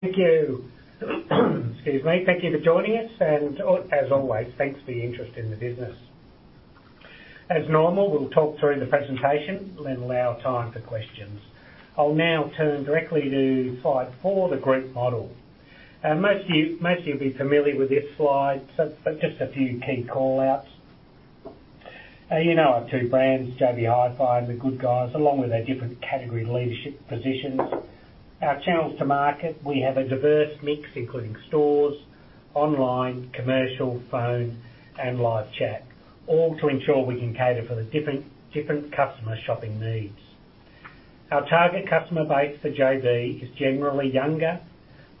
Thank you. Excuse me. Thank you for joining us, as always, thanks for your interest in the business. As normal, we'll talk through the presentation, then allow time for questions. I'll now turn directly to slide 4, the group model. Most of you, most of you will be familiar with this slide, just a few key call-outs. You know our two brands, JB Hi-Fi and The Good Guys, along with their different category leadership positions. Our channels to market, we have a diverse mix, including stores, online, commercial, phone, and live chat, all to ensure we can cater for the different, different customer shopping needs. Our target customer base for JB is generally younger,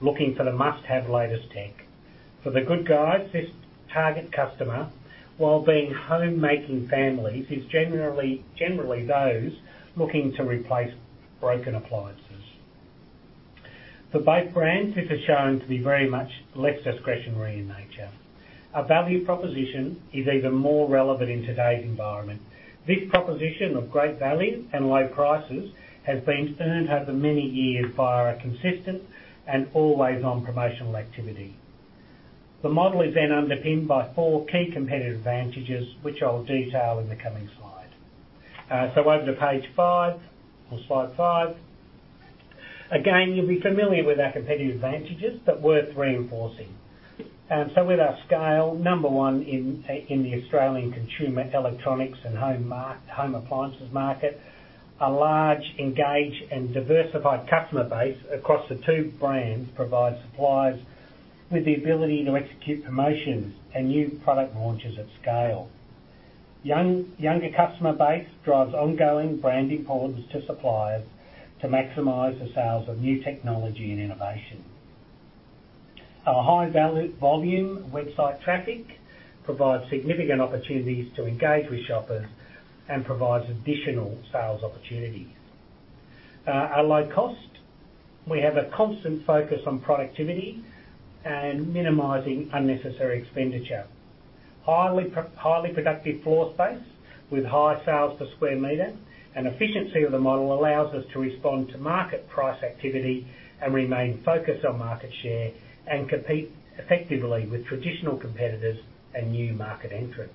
looking for the must-have latest tech. For The Good Guys, this target customer, while being home-making families, is generally those looking to replace broken appliances. For both brands, this has shown to be very much less discretionary in nature. Our value proposition is even more relevant in today's environment. This proposition of great value and low prices has been earned over many years via a consistent and always-on promotional activity. The model is underpinned by 4 key competitive advantages, which I'll detail in the coming slide. Over to page 5, or slide 5. You'll be familiar with our competitive advantages, but worth reinforcing. With our scale, number 1 in the Australian consumer electronics and home appliances market, a large, engaged, and diversified customer base across the 2 brands provides suppliers with the ability to execute promotions and new product launches at scale. Younger customer base drives ongoing branding products to suppliers to maximize the sales of new technology and innovation. Our high value volume website traffic provides significant opportunities to engage with shoppers and provides additional sales opportunities. Our low cost, we have a constant focus on productivity and minimizing unnecessary expenditure. Highly productive floor space with high sales per square meter, and efficiency of the model allows us to respond to market price activity and remain focused on market share, and compete effectively with traditional competitors and new market entrants.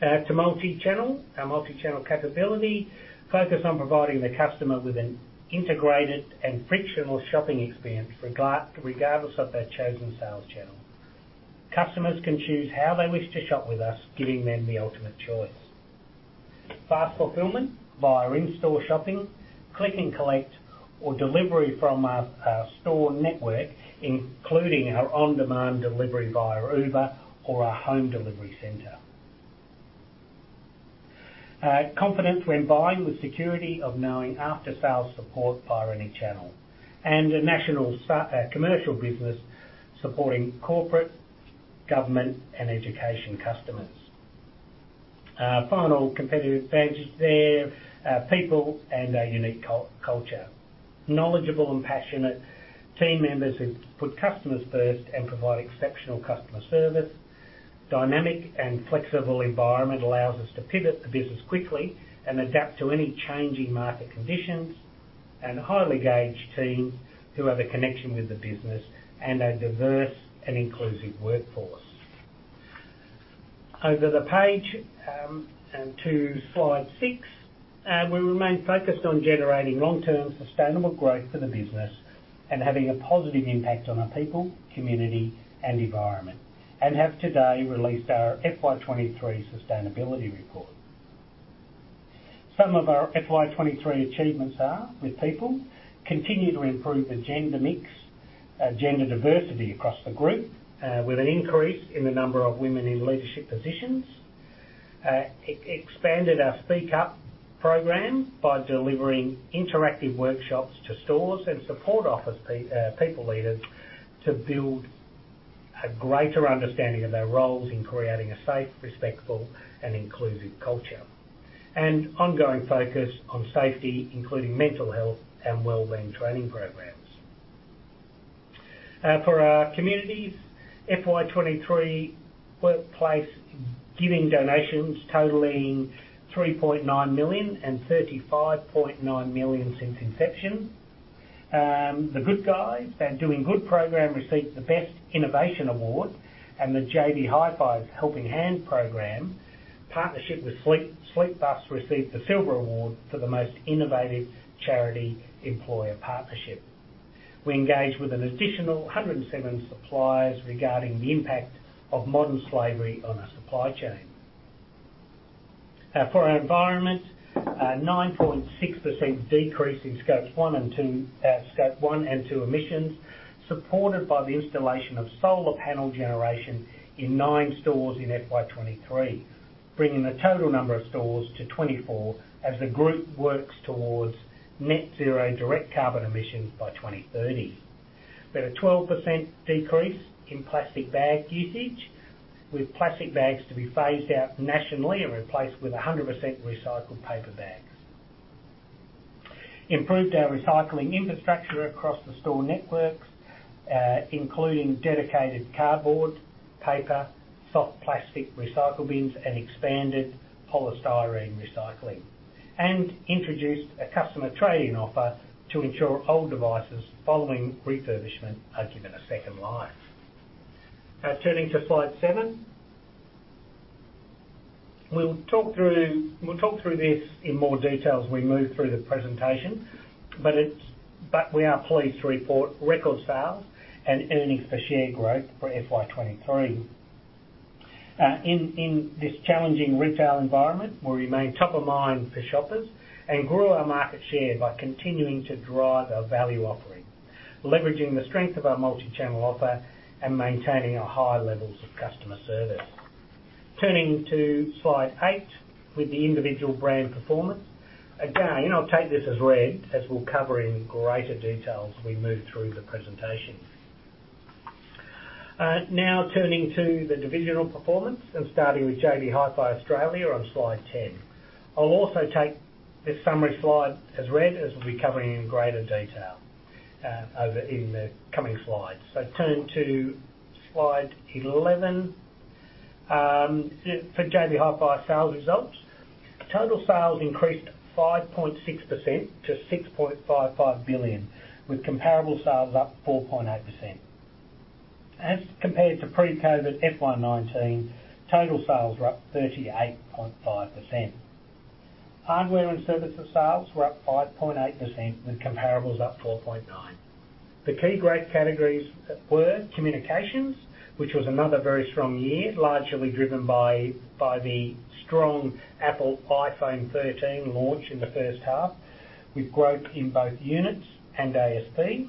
To multi-channel. Our multi-channel capability focus on providing the customer with an integrated and frictional shopping experience regardless of their chosen sales channel. Customers can choose how they wish to shop with us, giving them the ultimate choice. Fast fulfillment via in-store shopping, click and collect, or delivery from our store network, including our on-demand delivery via Uber or our home delivery center. Confidence when buying, with security of knowing after-sales support via any channel. A national commercial business supporting corporate, government, and education customers. Our final competitive advantage there, people and our unique culture. Knowledgeable and passionate team members who put customers first and provide exceptional customer service. Dynamic and flexible environment allows us to pivot the business quickly and adapt to any changing market conditions, and highly engaged teams who have a connection with the business, and a diverse and inclusive workforce. Over the page, and to slide 6, we remain focused on generating long-term sustainable growth for the business and having a positive impact on our people, community, and environment, and have today released our FY23 sustainability report. Some of our FY23 achievements are: with people, continue to improve the gender mix, gender diversity across the group, with an increase in the number of women in leadership positions. Expanded our Speak Up program by delivering interactive workshops to stores and support office people leaders, to build a greater understanding of their roles in creating a safe, respectful, and inclusive culture. Ongoing focus on safety, including mental health and wellbeing training programs. For our communities, FY23 workplace giving donations totaling 3.9 million and 35.9 million since inception. The Good Guys' Doing Good program received the Best Innovation Award, and the JB Hi-Fi's Helping Hand program, partnership with Sleep, Sleep Bus, received the Silver Award for the most innovative charity-employer partnership. We engaged with an additional 107 suppliers regarding the impact of modern slavery on our supply chain. For our environment, a 9.6% decrease in scopes one and two, scope one and two emissions, supported by the installation of solar panel generation in 9 stores in FY23, bringing the total number of stores to 24, as the group works towards net zero direct carbon emissions by 2030. We had a 12% decrease in plastic bag usage, with plastic bags to be phased out nationally and replaced with a 100% recycled paper bags. Improved our recycling infrastructure across the store networks.... including dedicated cardboard, paper, soft plastic recycle bins, and expanded polystyrene recycling, and introduced a customer trade-in offer to ensure old devices following refurbishment are given a second life. Now turning to slide 7. We'll talk through, we'll talk through this in more detail as we move through the presentation, we are pleased to report record sales and earnings per share growth for FY23. In, in this challenging retail environment, we remain top of mind for shoppers and grew our market share by continuing to drive our value offering, leveraging the strength of our multi-channel offer, and maintaining our high levels of customer service. Turning to slide 8, with the individual brand performance. I'll take this as read, as we'll cover in greater detail as we move through the presentation. Now turning to the divisional performance, starting with JB Hi-Fi Australia on slide 10. I'll also take this summary slide as read, as we'll be covering in greater detail over in the coming slides. Turn to slide 11. For JB Hi-Fi sales results, total sales increased 5.6% to 6.55 billion, with comparable sales up 4.8%. As compared to pre-COVID FY19, total sales were up 38.5%. Hardware and services sales were up 5.8%, with comparables up 4.9%. The key growth categories were communications, which was another very strong year, largely driven by the strong Apple iPhone 13 launch in the first half, with growth in both units and ASP.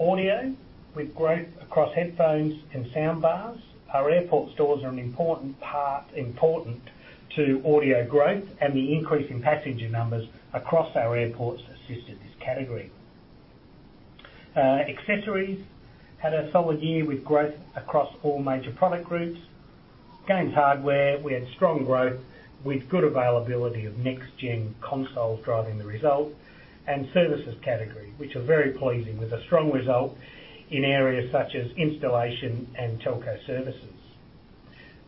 Audio, with growth across headphones and soundbars. Our airport stores are important to audio growth, and the increase in passenger numbers across our airports assisted this category. Accessories had a solid year with growth across all major product groups. Games hardware, we had strong growth with good availability of next-gen consoles driving the result, and services category, which are very pleasing, with a strong result in areas such as installation and telco services.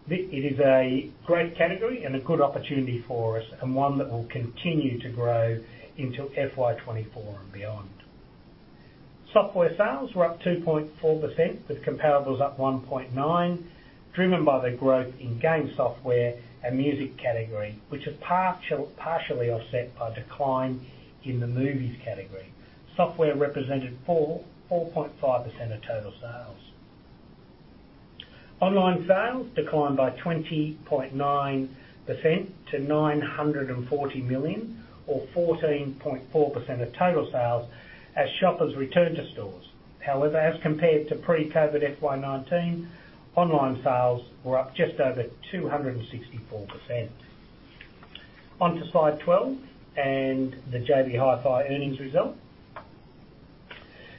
It is a great category and a good opportunity for us, and one that will continue to grow into FY24 and beyond. Software sales were up 2.4%, with comparables up 1.9%, driven by the growth in game software and music category, which is partially offset by decline in the movies category. Software represented 4.5% of total sales. Online sales declined by 20.9% to 940 million, or 14.4% of total sales, as shoppers returned to stores. However, as compared to pre-COVID FY19, online sales were up just over 264%. On to slide 12, and the JB Hi-Fi earnings result.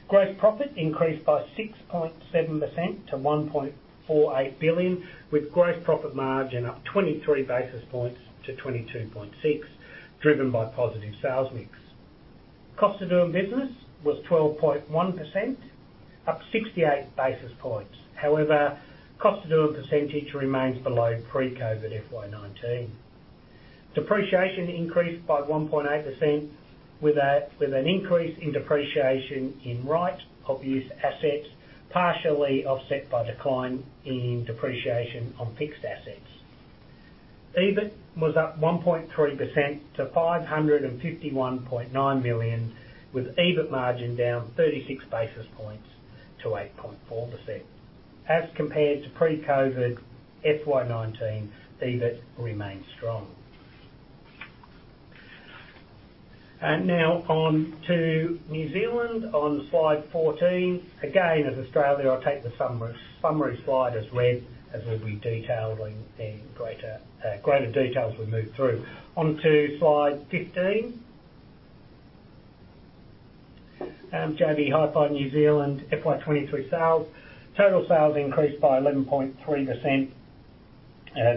Gross profit increased by 6.7% to 1.48 billion, with gross profit margin up 23 basis points to 22.6%, driven by positive sales mix. Cost of doing business was 12.1%, up 68 basis points. However, cost of doing percentage remains below pre-COVID FY19. Depreciation increased by 1.8%, with an increase in depreciation in right-of-use assets, partially offset by decline in depreciation on fixed assets. EBIT was up 1.3% to 551.9 million, with EBIT margin down 36 basis points to 8.4%. As compared to pre-COVID FY19, EBIT remains strong. Now on to New Zealand, on slide 14. Again, as Australia, I'll take the summary, summary slide as read, as will be detailed in, in greater, greater detail as we move through. On to slide 15. JB Hi-Fi New Zealand, FY23 sales. Total sales increased by 11.3%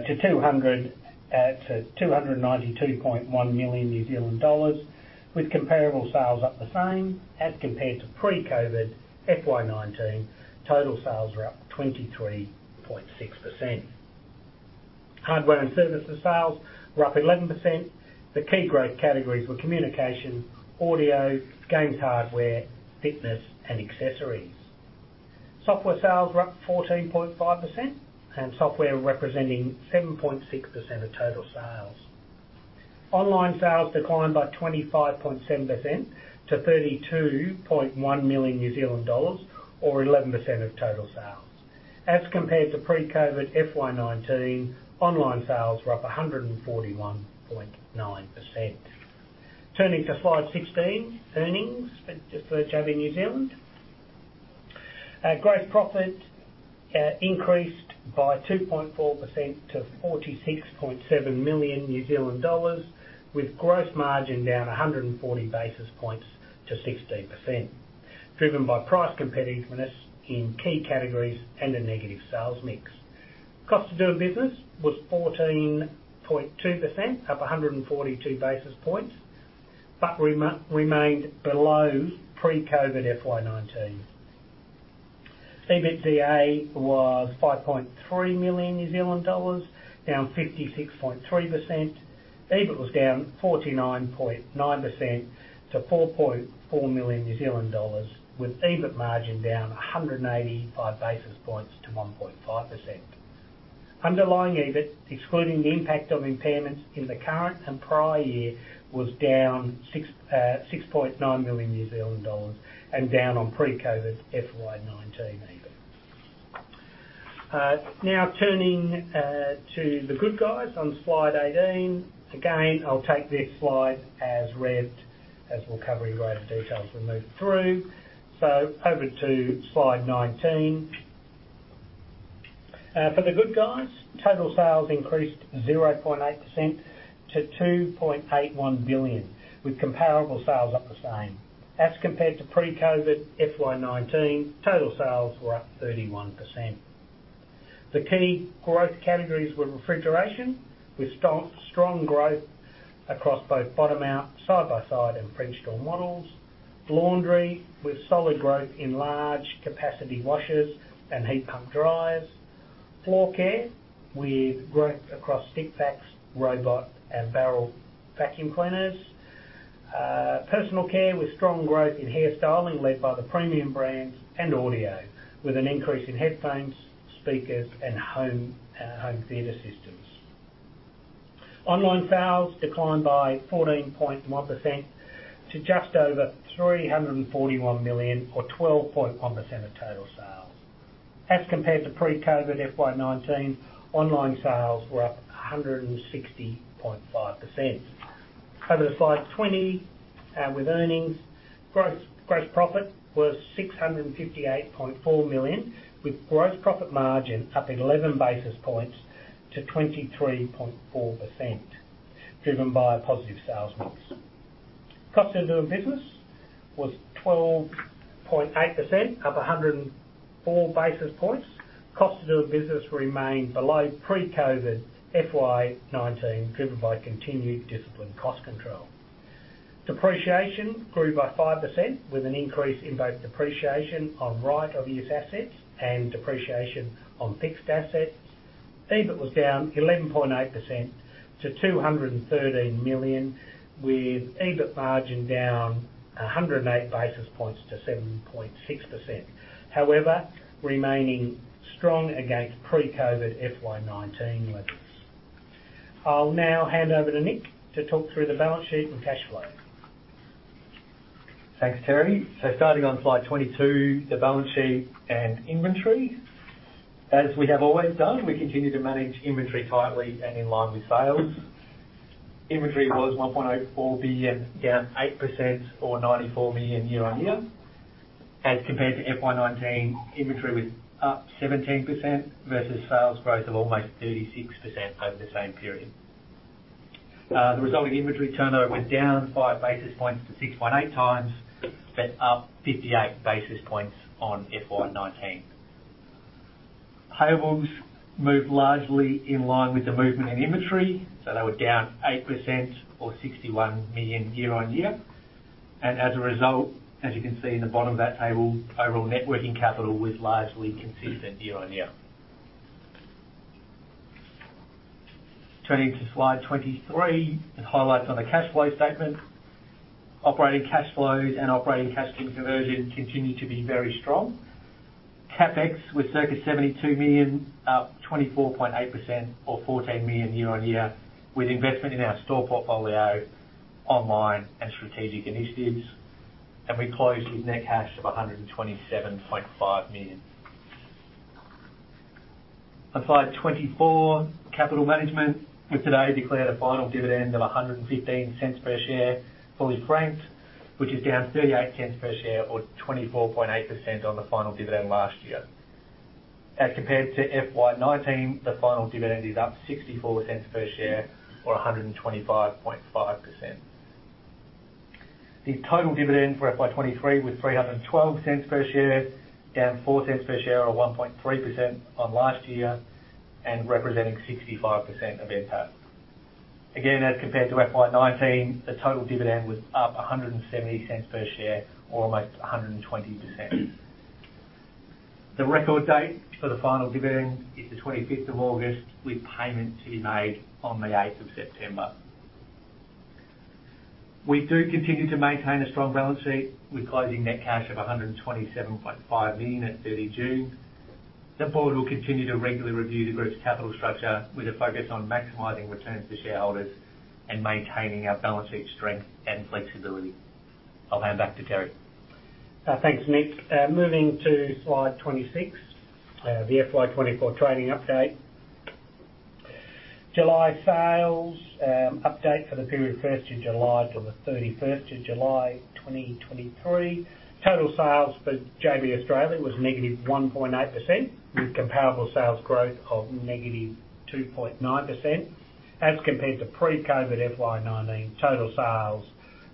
to 292.1 million New Zealand dollars, with comparable sales up the same as compared to pre-COVID FY19, total sales were up 23.6%. Hardware and services sales were up 11%. The key growth categories were communication, audio, games hardware, fitness, and accessories. Software sales were up 14.5%, software representing 7.6% of total sales. Online sales declined by 25.7% to 32.1 million New Zealand dollars, or 11% of total sales. As compared to pre-COVID FY19, online sales were up 141.9%. Turning to slide 16, earnings for JB Hi-Fi New Zealand. Gross profit increased by 2.4% to 46.7 million New Zealand dollars, with gross margin down 140 basis points to 16%, driven by price competitiveness in key categories and a negative sales mix. Cost of doing business was 14.2%, up 142 basis points. Rema- remained below pre-COVID FY19. EBITDA was 5.3 million New Zealand dollars, down 56.3%. EBIT was down 49.9% to 4.4 million New Zealand dollars, with EBIT margin down 185 basis points to 1.5%. Underlying EBIT, excluding the impact of impairments in the current and prior year, was down 6.9 million New Zealand dollars and down on pre-COVID FY19 EBIT. Now turning to The Good Guys on slide 18. Again, I'll take this slide as read, as we'll cover in greater detail as we move through. Over to slide 19. For The Good Guys, total sales increased 0.8% to 2.81 billion, with comparable sales up the same. As compared to pre-COVID FY19, total sales were up 31%. The key growth categories were refrigeration, with strong growth across both bottom out, side-by-side, and French door models. Laundry, with solid growth in large capacity washers and heat pump dryers. Floor care, with growth across stick vacs, robot, and barrel vacuum cleaners. Personal care, with strong growth in hairstyling led by the premium brands, and audio, with an increase in headphones, speakers, and home, home theater systems. Online sales declined by 14.1% to just over 341 million, or 12.1% of total sales. As compared to pre-COVID FY19, online sales were up 160.5%. Over to slide 20, with earnings. Gross, gross profit was 658.4 million, with gross profit margin up 11 basis points to 23.4%, driven by a positive sales mix. Cost of Doing Business was 12.8%, up 104 basis points. Cost of Doing Business remained below pre-COVID FY19, driven by continued disciplined cost control. Depreciation grew by 5%, with an increase in both depreciation on right-of-use assets and depreciation on fixed assets. EBIT was down 11.8% to 213 million, with EBIT margin down 108 basis points to 7.6%. However, remaining strong against pre-COVID FY19 levels. I'll now hand over to Nick to talk through the balance sheet and cash flow. Thanks, Terry. Starting on slide 22, the balance sheet and inventory. As we have always done, we continue to manage inventory tightly and in line with sales. Inventory was 1.84 billion, down 8% or 94 million year-on-year. As compared to FY19, inventory was up 17% versus sales growth of almost 36% over the same period. The resulting inventory turnover was down 5 basis points to 6.8 times, but up 58 basis points on FY19. Payables moved largely in line with the movement in inventory, so they were down 8% or 61 million year-on-year. As a result, as you can see in the bottom of that table, overall networking capital was largely consistent year-on-year. Turning to slide 23, the highlights on the cash flow statement. Operating cash flows and operating cash conversion continue to be very strong. CapEx was circa 72 million, up 24.8% or 14 million year-over-year, with investment in our store portfolio, online, and strategic initiatives. We closed with net cash of 127.5 million. On slide 24, capital management. We today declared a final dividend of 1.15 per share, fully franked, which is down 0.38 per share or 24.8% on the final dividend last year. As compared to FY19, the final dividend is up 0.64 per share or 125.5%. The total dividend for FY23 was 3.12 per share, down 0.04 per share or 1.3% on last year and representing 65% of NPAT. Again, as compared to FY19, the total dividend was up 1.70 per share or almost 120%. The record date for the final dividend is the 25th of August, with payments to be made on the 8th of September. We do continue to maintain a strong balance sheet. We're closing net cash of 127.5 million at 30 June. The board will continue to regularly review the group's capital structure with a focus on maximizing returns to shareholders and maintaining our balance sheet strength and flexibility. I'll hand back to Terry. Thanks, Nick. Moving to slide 26, the FY24 trading update. July sales update for the period 1st of July to the 31st of July 2023, total sales for JB Hi-Fi Australia was -1.9%, with comparable sales growth of -2.9%. As compared to pre-COVID FY19, total sales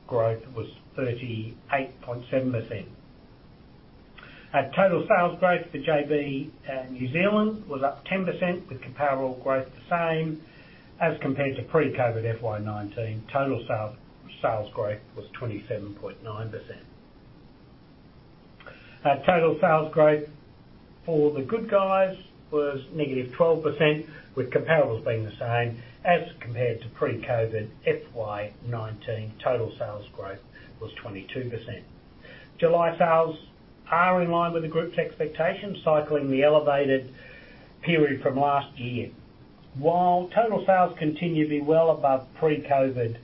growth was 38.7%. Total sales growth for JB New Zealand was up 10% with comparable growth the same as compared to pre-COVID FY19. Total sales growth was 27.9%. Total sales growth for The Good Guys was -12%, with comparables being the same as compared to pre-COVID FY19, total sales growth was 22%. July sales are in line with the group's expectations, cycling the elevated period from last year. While total sales continue to be well above pre-COVID,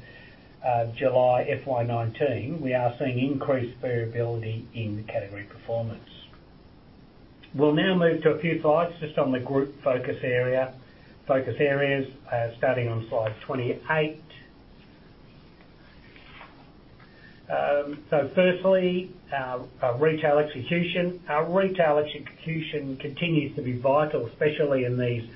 July FY19, we are seeing increased variability in category performance. We'll now move to a few slides just on the group focus area, focus areas, starting on slide 28. Firstly, our retail execution. Our retail execution continues to be vital, especially in these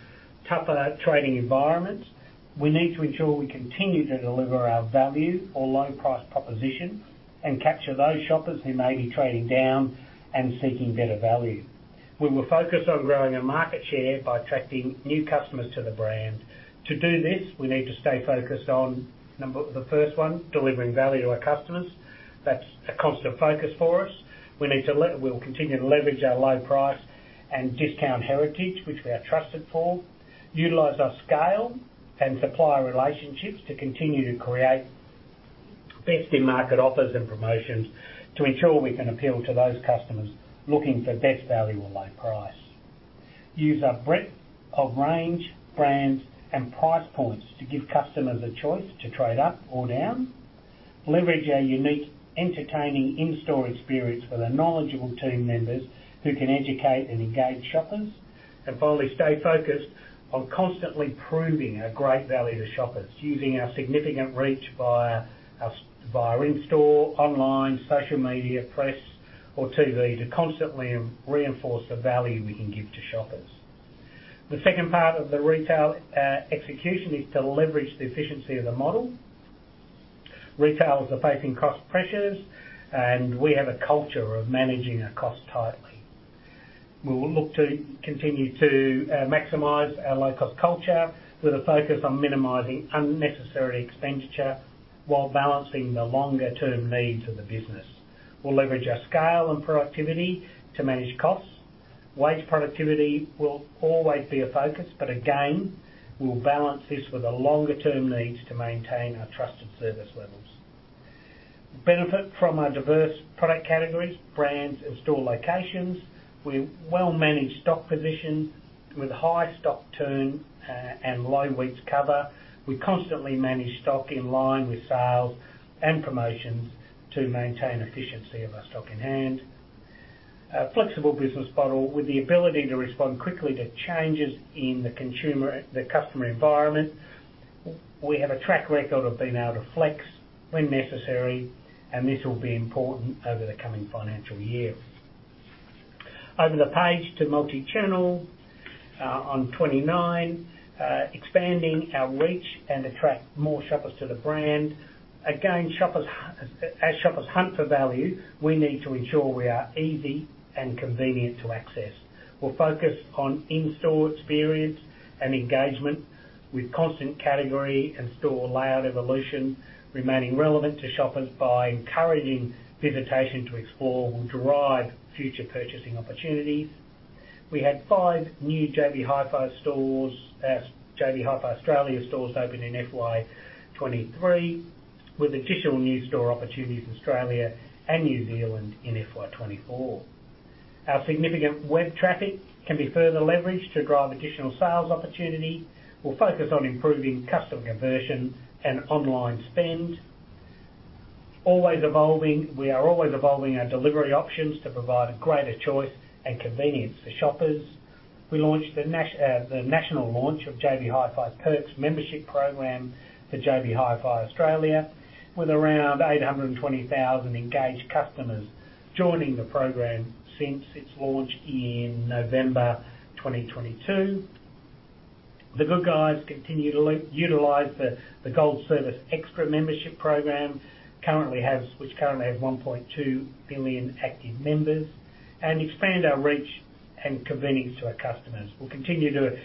tougher trading environments. We need to ensure we continue to deliver our value or low price proposition and capture those shoppers who may be trading down and seeking better value. We will focus on growing our market share by attracting new customers to the brand. To do this, we need to stay focused on The first one, delivering value to our customers. That's a constant focus for us. We need to we'll continue to leverage our low price and discount heritage, which we are trusted for. Utilize our scale and supplier relationships to continue to create best-in-market offers and promotions, to ensure we can appeal to those customers looking for best value or low price. Use our breadth of range, brands, and price points to give customers a choice to trade up or down. Leverage our unique, entertaining in-store experience with our knowledgeable team members who can educate and engage shoppers. Finally, stay focused on constantly proving our great value to shoppers, using our significant reach via our, via in-store, online, social media, press, or TV, to constantly reinforce the value we can give to shoppers. The second part of the retail, execution is to leverage the efficiency of the model. Retailers are facing cost pressures, and we have a culture of managing our costs tightly. We will look to continue to maximize our low-cost culture with a focus on minimizing unnecessary expenditure while balancing the longer-term needs of the business. We'll leverage our scale and productivity to manage costs. Wage productivity will always be a focus, but again, we'll balance this with the longer-term needs to maintain our trusted service levels. Benefit from our diverse product categories, brands, and store locations with well-managed stock positions, with high stock turn and low weeks cover. We constantly manage stock in line with sales and promotions to maintain efficiency of our stock in hand. A flexible business model with the ability to respond quickly to changes in the consumer, the customer environment. We have a track record of being able to flex when necessary, and this will be important over the coming financial year. Over the page to multi-channel, on 29, expanding our reach and attract more shoppers to the brand. Again, as shoppers hunt for value, we need to ensure we are easy and convenient to access. We're focused on in-store experience and engagement with constant category and store layout evolution. Remaining relevant to shoppers by encouraging visitation to explore will derive future purchasing opportunities. We had 5 new JB Hi-Fi stores, JB Hi-Fi Australia stores open in FY23, with additional new store opportunities in Australia and New Zealand in FY24. Our significant web traffic can be further leveraged to drive additional sales opportunity. We'll focus on improving customer conversion and online spend. We are always evolving our delivery options to provide a greater choice and convenience to shoppers. We launched the national launch of JB Hi-Fi Perks membership program for JB Hi-Fi Australia, with around 820,000 engaged customers joining the program since its launch in November 2022. The Good Guys continue to utilize the Gold Service Extras membership program, which currently have 1.2 billion active members, and expand our reach and convenience to our customers. We'll continue to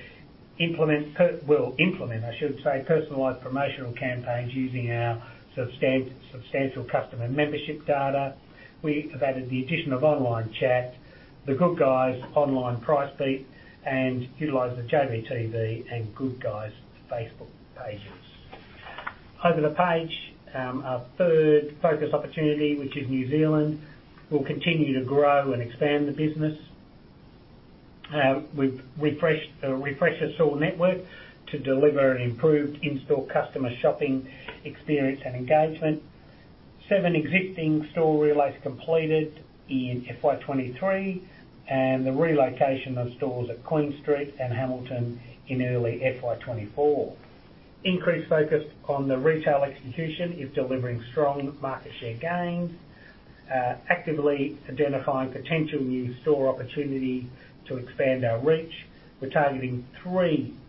implement We'll implement, I should say, personalized promotional campaigns using our substantial customer membership data. We have added the addition of online chat, The Good Guys online price beat, and utilize the JBTV and Good Guys Facebook pages. Over the page, our third focus opportunity, which is New Zealand, will continue to grow and expand the business. We've refreshed our store network to deliver an improved in-store customer shopping experience and engagement. 7 existing store relays completed in FY23, and the relocation of stores at Queen Street and Hamilton in early FY24. Increased focus on the retail execution is delivering strong market share gains. Actively identifying potential new store opportunity to expand our reach. We're targeting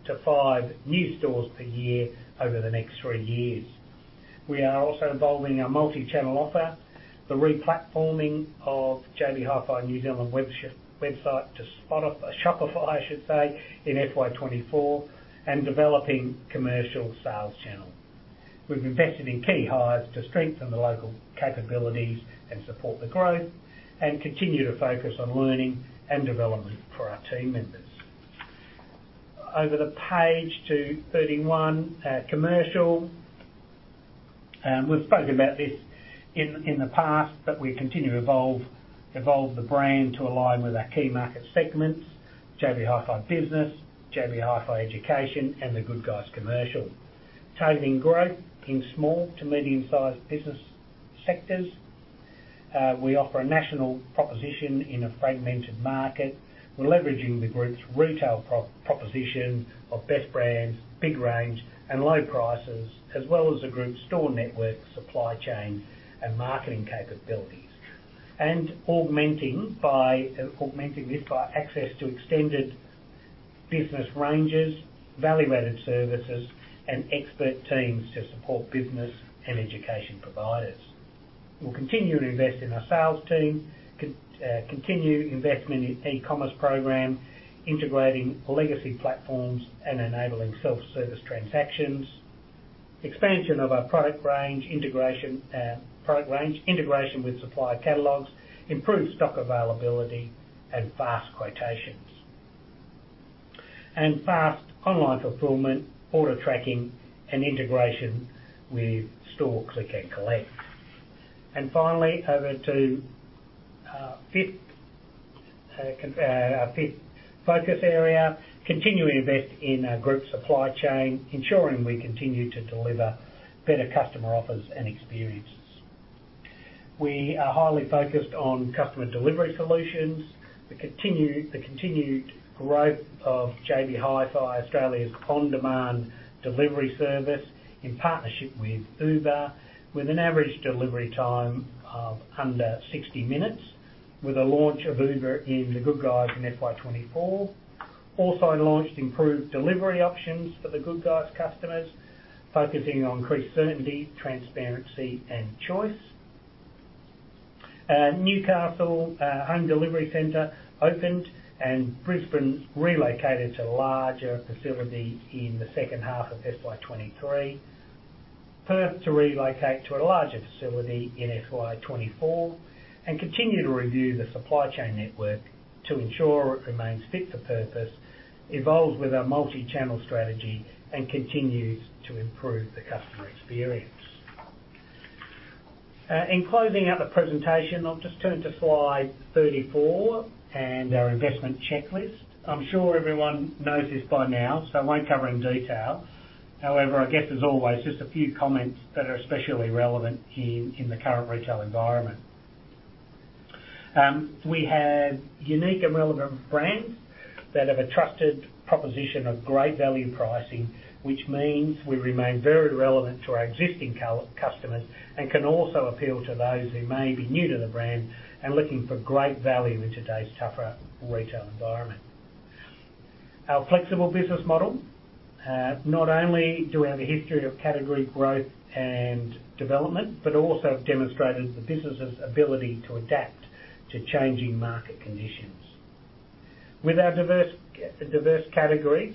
3-5 new stores per year over the next 3 years. We are also evolving our multi-channel offer, the re-platforming of JB Hi-Fi New Zealand website to Shopify in FY24, and developing commercial sales channel. We've invested in key hires to strengthen the local capabilities and support the growth, and continue to focus on learning and development for our team members. Over the page to 31, commercial. We've spoken about this in the past, but we continue to evolve the brand to align with our key market segments, JB Hi-Fi Business, JB Hi-Fi Education, and The Good Guys Commercial. Tapping growth in small to medium-sized business sectors. We offer a national proposition in a fragmented market. We're leveraging the group's retail proposition of best brands, big range, and low prices, as well as the group's store network, supply chain, and marketing capabilities. Augmenting this by access to extended business ranges, value-added services, and expert teams to support business and education providers. We'll continue to invest in our sales team, continue investment in e-commerce program, integrating legacy platforms, and enabling self-service transactions, expansion of our product range, integration, product range, integration with supplier catalogs, improved stock availability, and fast quotations. Fast online fulfillment, order tracking, and integration with store click and collect. Finally, over to our 5th focus area: continue to invest in our group supply chain, ensuring we continue to deliver better customer offers and experiences. We are highly focused on customer delivery solutions. The continued growth of JB Hi-Fi, Australia's on-demand delivery service, in partnership with Uber, with an average delivery time of under 60 minutes, with a launch of Uber in The Good Guys in FY24. Also launched improved delivery options for The Good Guys customers, focusing on increased certainty, transparency, and choice. Newcastle home delivery center opened, and Brisbane relocated to a larger facility in the second half of FY23. Perth to relocate to a larger facility in FY24, and continue to review the supply chain network to ensure it remains fit for purpose, evolves with our multi-channel strategy, and continues to improve the customer experience. In closing out the presentation, I'll just turn to slide 34 and our investment checklist. I'm sure everyone knows this by now, so I won't cover in detail. However, I guess as always, just a few comments that are especially relevant in, in the current retail environment. We have unique and relevant brands that have a trusted proposition of great value pricing, which means we remain very relevant to our existing customers and can also appeal to those who may be new to the brand and looking for great value in today's tougher retail environment. Our flexible business model, not only do we have a history of category growth and development, but also have demonstrated the business' ability to adapt to changing market conditions. With our diverse categories,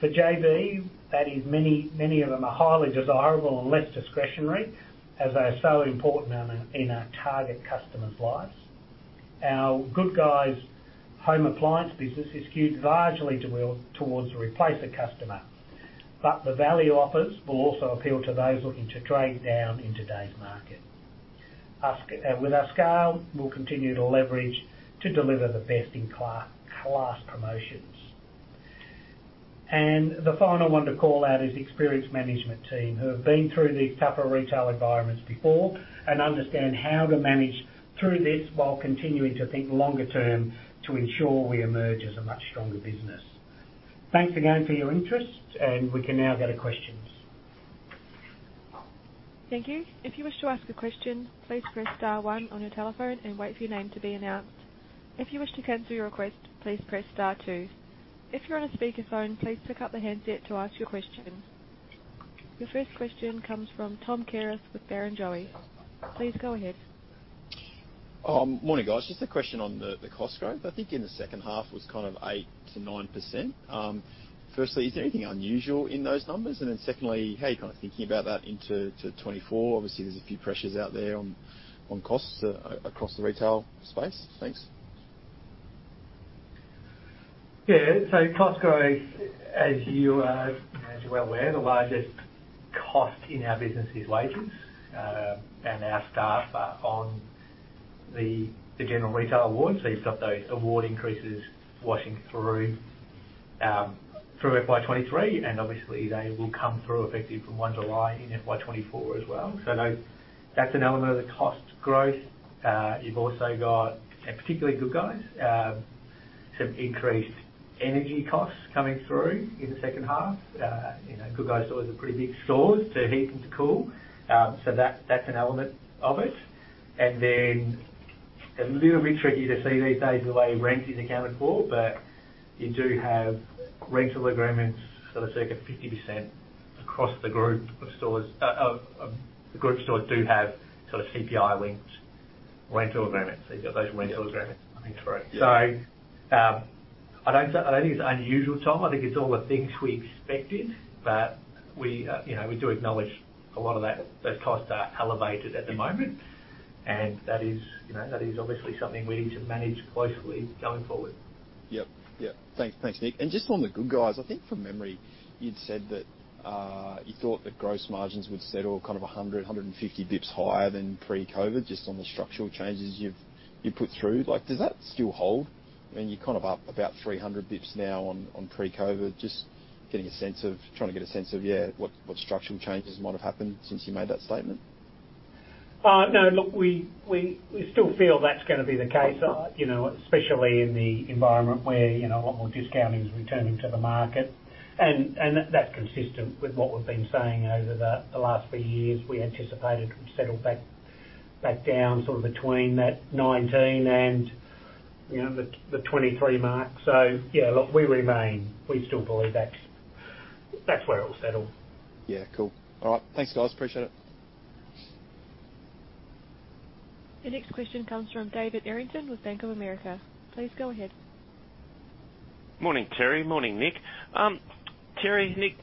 for JB, that is many, many of them are highly desirable and less discretionary, as they are so important in our, in our target customers' lives. Our Good Guys home appliance business is skewed largely towards the replacer customer, but the value offers will also appeal to those looking to trade down in today's market. With our scale, we'll continue to leverage to deliver the best-in-class promotions. The final one to call out is the experienced management team, who have been through these tougher retail environments before and understand how to manage through this while continuing to think longer term to ensure we emerge as a much stronger business. Thanks again for your interest, and we can now go to questions. Thank you. If you wish to ask a question, please press star 1 on your telephone and wait for your name to be announced. If you wish to cancel your request, please press star 2. If you're on a speakerphone, please pick up the handset to ask your question. Your first question comes from Tom Kierath with Barrenjoey. Please go ahead. Morning, guys. Just a question on the cost growth. I think in the second half, it was kind of 8%-9%. Firstly, is there anything unusual in those numbers? Then secondly, how are you kind of thinking about that into 2024? Obviously, there's a few pressures out there on costs across the retail space. Thanks. Yeah. Cost growth, as you are, as you're well aware, the largest cost in our business is wages, and our staff are on the, the general retail award. You've got those award increases washing through, through FY23, and obviously, they will come through effective from 1 July 2024 as well. That, that's an element of the cost growth. You've also got, and particularly Good Guys, some increased energy costs coming through in the second half. You know, Good Guys stores are pretty big stores to heat and to cool, so that, that's an element of it. It's a little bit tricky to see these days the way rent is accounted for, but you do have rental agreements, sort of circa 50% across the group of stores. The group stores do have sort of CPI-linked rental agreements. You've got those rental agreements. That's right. I don't think, I don't think it's unusual, Tom. I think it's all the things we expected, but we, you know, we do acknowledge a lot of that, those costs are elevated at the moment, and that is, you know, that is obviously something we need to manage closely going forward. Yep. Yep. Thanks. Thanks, Nick. Just on The Good Guys, I think from memory, you'd said that you thought that gross margins would settle kind of 100-150 bps higher than pre-COVID, just on the structural changes you've, you put through. Like, does that still hold? I mean, you're kind of up about 300 bps now on, on pre-COVID. Just trying to get a sense of, yeah, what, what structural changes might have happened since you made that statement. No, look, we still feel that's going to be the case, you know, especially in the environment where, you know, a lot more discounting is returning to the market. That's consistent with what we've been saying over the last 3 years. We anticipated it would settle back, back down, sort of between that 19 and, you know, the, the 23 mark. Yeah, look, we remain. We still believe that's, that's where it will settle. Yeah. Cool. All right. Thanks, guys. Appreciate it. The next question comes from David Errington with Bank of America. Please go ahead. Morning, Terry. Morning, Nick. Terry, Nick,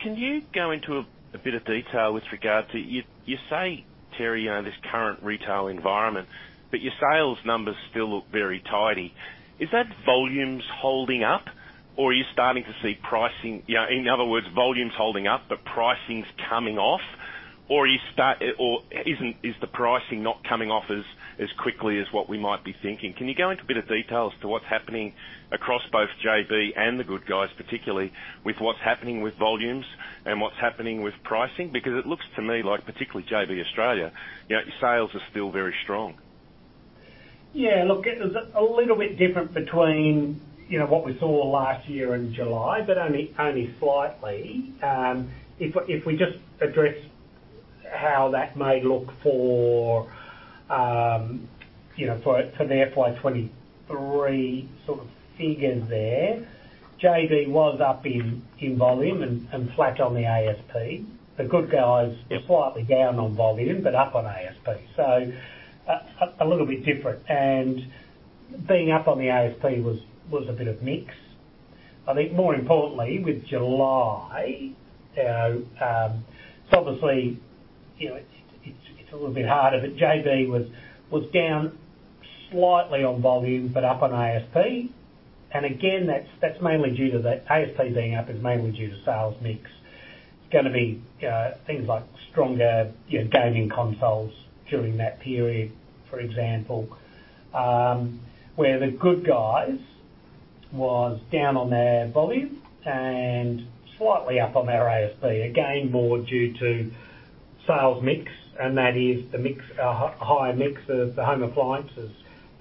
can you go into a bit of detail with regard to... You, you say, Terry, you know, this current retail environment, but your sales numbers still look very tidy. Is that volumes holding up, or are you starting to see pricing-- yeah, in other words, volumes holding up, but pricing's coming off? Or is the pricing not coming off as quickly as what we might be thinking? Can you go into a bit of detail as to what's happening across both JB and The Good Guys, particularly with what's happening with volumes and what's happening with pricing? Because it looks to me like, particularly JB Australia, you know, your sales are still very strong. Yeah, look, it was a little bit different between, you know, what we saw last year in July, but only, only slightly. If we, if we just address how that may look for, you know, for, for the FY23 sort of figure there, JB was up in, in volume and, and flat on the ASP. The Good Guys were slightly down on volume, but up on ASP, a little bit different. Being up on the ASP was, was a bit of mix. I think more importantly with July, you know, so obviously, you know, it's, it's, it's a little bit harder, but JB was, was down slightly on volume, but up on ASP. Again, that's, that's mainly due to the ASP being up is mainly due to sales mix. It's gonna be, things like stronger, you know, gaming consoles during that period, for example. Where The Good Guys was down on their volume and slightly up on their ASP, again, more due to sales mix, and that is the mix, a higher mix of the home appliances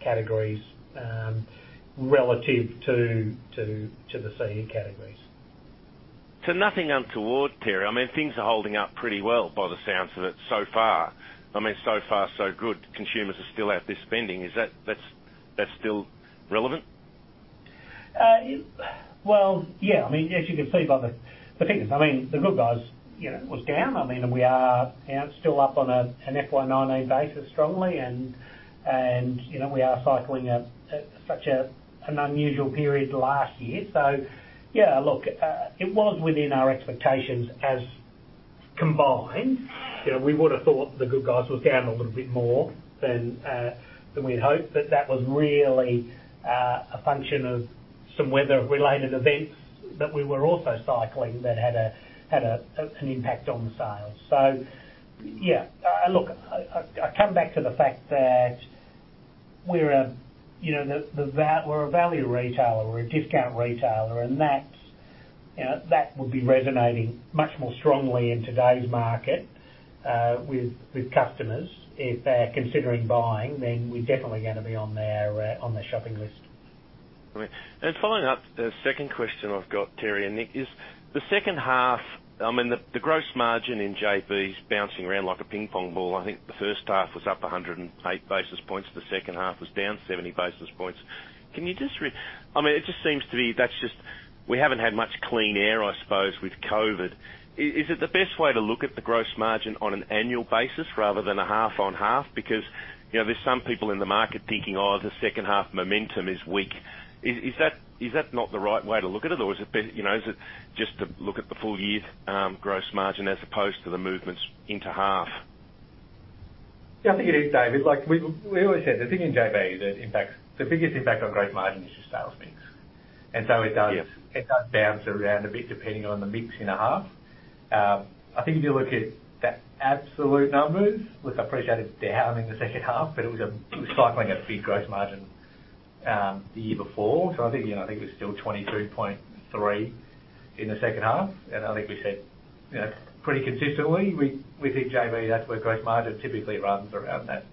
categories, relative to, to, to the CE categories. Nothing untoward, Terry. I mean, things are holding up pretty well by the sounds of it so far. I mean, so far, so good. Consumers are still out there spending. Is that, that's, that's still relevant? Well, yeah, I mean, as you can see by the, the figures, I mean, The Good Guys, you know, was down. I mean, we are, you know, still up on an FY19 basis strongly, and, and, you know, we are cycling at, at such an unusual period last year. Yeah, look, it was within our expectations as combined. You know, we would've thought The Good Guys was down a little bit more than we'd hoped, but that was really a function of some weather-related events that we were also cycling that had a, had an impact on sales. Yeah. look, I come back to the fact that we're a, you know, we're a value retailer, we're a discount retailer, and that's, you know, that will be resonating much more strongly in today's market, with customers. If they're considering buying, then we're definitely gonna be on their shopping list. Great. Following up, the second question I've got, Terry and Nick, is the second half, I mean, the, the gross margin in JB is bouncing around like a ping pong ball. I think the first half was up 108 basis points. The second half was down 70 basis points. Can you just, I mean, it just seems to be that's just, we haven't had much clean air, I suppose, with COVID. Is it the best way to look at the gross margin on an annual basis rather than a half on half? Because, you know, there's some people in the market thinking, "Oh, the second half momentum is weak." Is, is that, is that not the right way to look at it? Is it better, you know, is it just to look at the full year, gross margin as opposed to the movements into half? Yeah, I think it is, David. Like we, we always said, the thing in JB that impacts, the biggest impact on gross margin is the sales mix. it does It does bounce around a bit depending on the mix in a half. I think if you look at the absolute numbers, look, I appreciate it's down in the second half, but it was a, it was cycling a big gross margin, the year before. I think, you know, I think it was still 23.3% in the second half, and I think we said, you know, pretty consistently, we, we think JB, that's where gross margin typically runs around that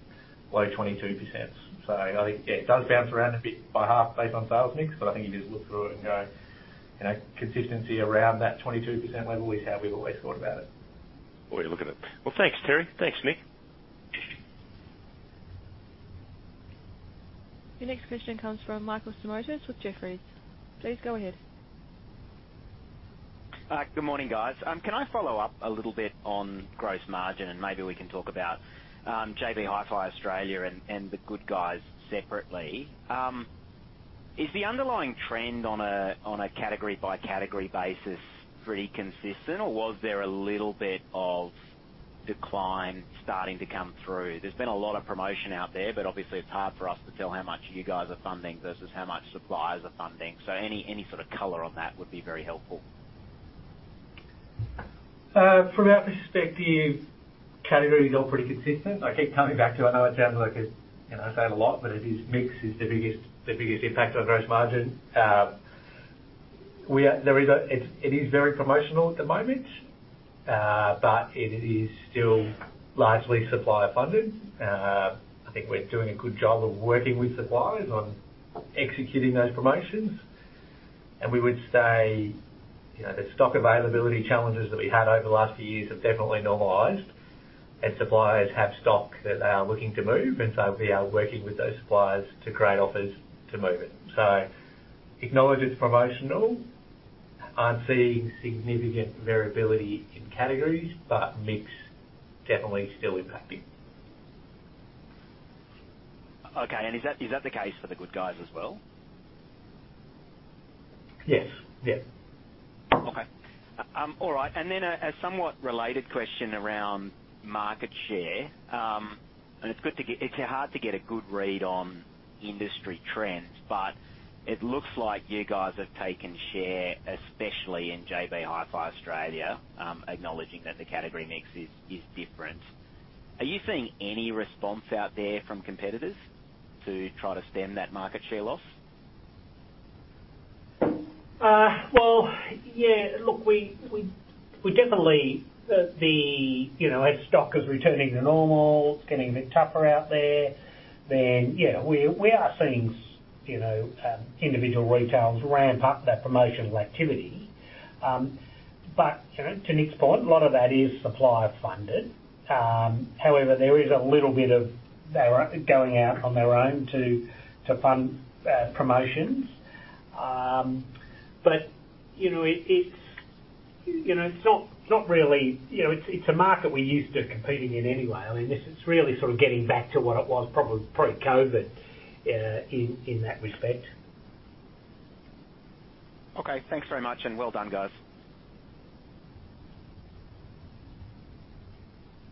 low 22%. I think, yeah, it does bounce around a bit by half based on sales mix, but I think you just look through it and go, you know, consistency around that 22% level is how we've always thought about it. Boy, you're looking at-- Well, thanks, Terry. Thanks, Nick. Your next question comes from Michael Simotas with Jefferies. Please go ahead. Good morning, guys. Can I follow up a little bit on gross margin, and maybe we can talk about JB Hi-Fi Australia and The Good Guys separately. Is the underlying trend on a category-by-category basis pretty consistent, or was there a little bit of decline starting to come through? There's been a lot of promotion out there, but obviously, it's hard for us to tell how much you guys are funding versus how much suppliers are funding. Any sort of color on that would be very helpful. From our perspective, categories are all pretty consistent. I keep coming back to, I know it sounds like it's, you know, I say it a lot, but it is. Mix is the biggest, the biggest impact on gross margin. It is very promotional at the moment, but it is still largely supplier funded. I think we're doing a good job of working with suppliers on executing those promotions. We would say, you know, the stock availability challenges that we had over the last few years have definitely normalized, and suppliers have stock that they are looking to move, and so we are working with those suppliers to create offers to move it. Acknowledge it's promotional. Aren't seeing significant variability in categories, but mix definitely still impacting. Okay. Is that, is that the case for The Good Guys as well? Yes. Yes. Okay. All right, then a, a somewhat related question around market share. It's good to get It's hard to get a good read on industry trends, but it looks like you guys have taken share, especially in JB Hi-Fi Australia, acknowledging that the category mix is, is different. Are you seeing any response out there from competitors to try to stem that market share loss? Well, yeah, look, we, we, we definitely, the, you know, as stock is returning to normal, it's getting a bit tougher out there, then, yeah, we, we are seeing, you know, individual retailers ramp up that promotional activity. You know, to Nick's point, a lot of that is supplier funded. However, there is a little bit of they're going out on their own to, to fund, promotions. You know, it, it's, you know, it's not, not really. You know, it's a market we're used to competing in anyway. I mean, this is really sort of getting back to what it was probably pre-COVID, in, in that respect. Okay. Thanks very much, and well done, guys.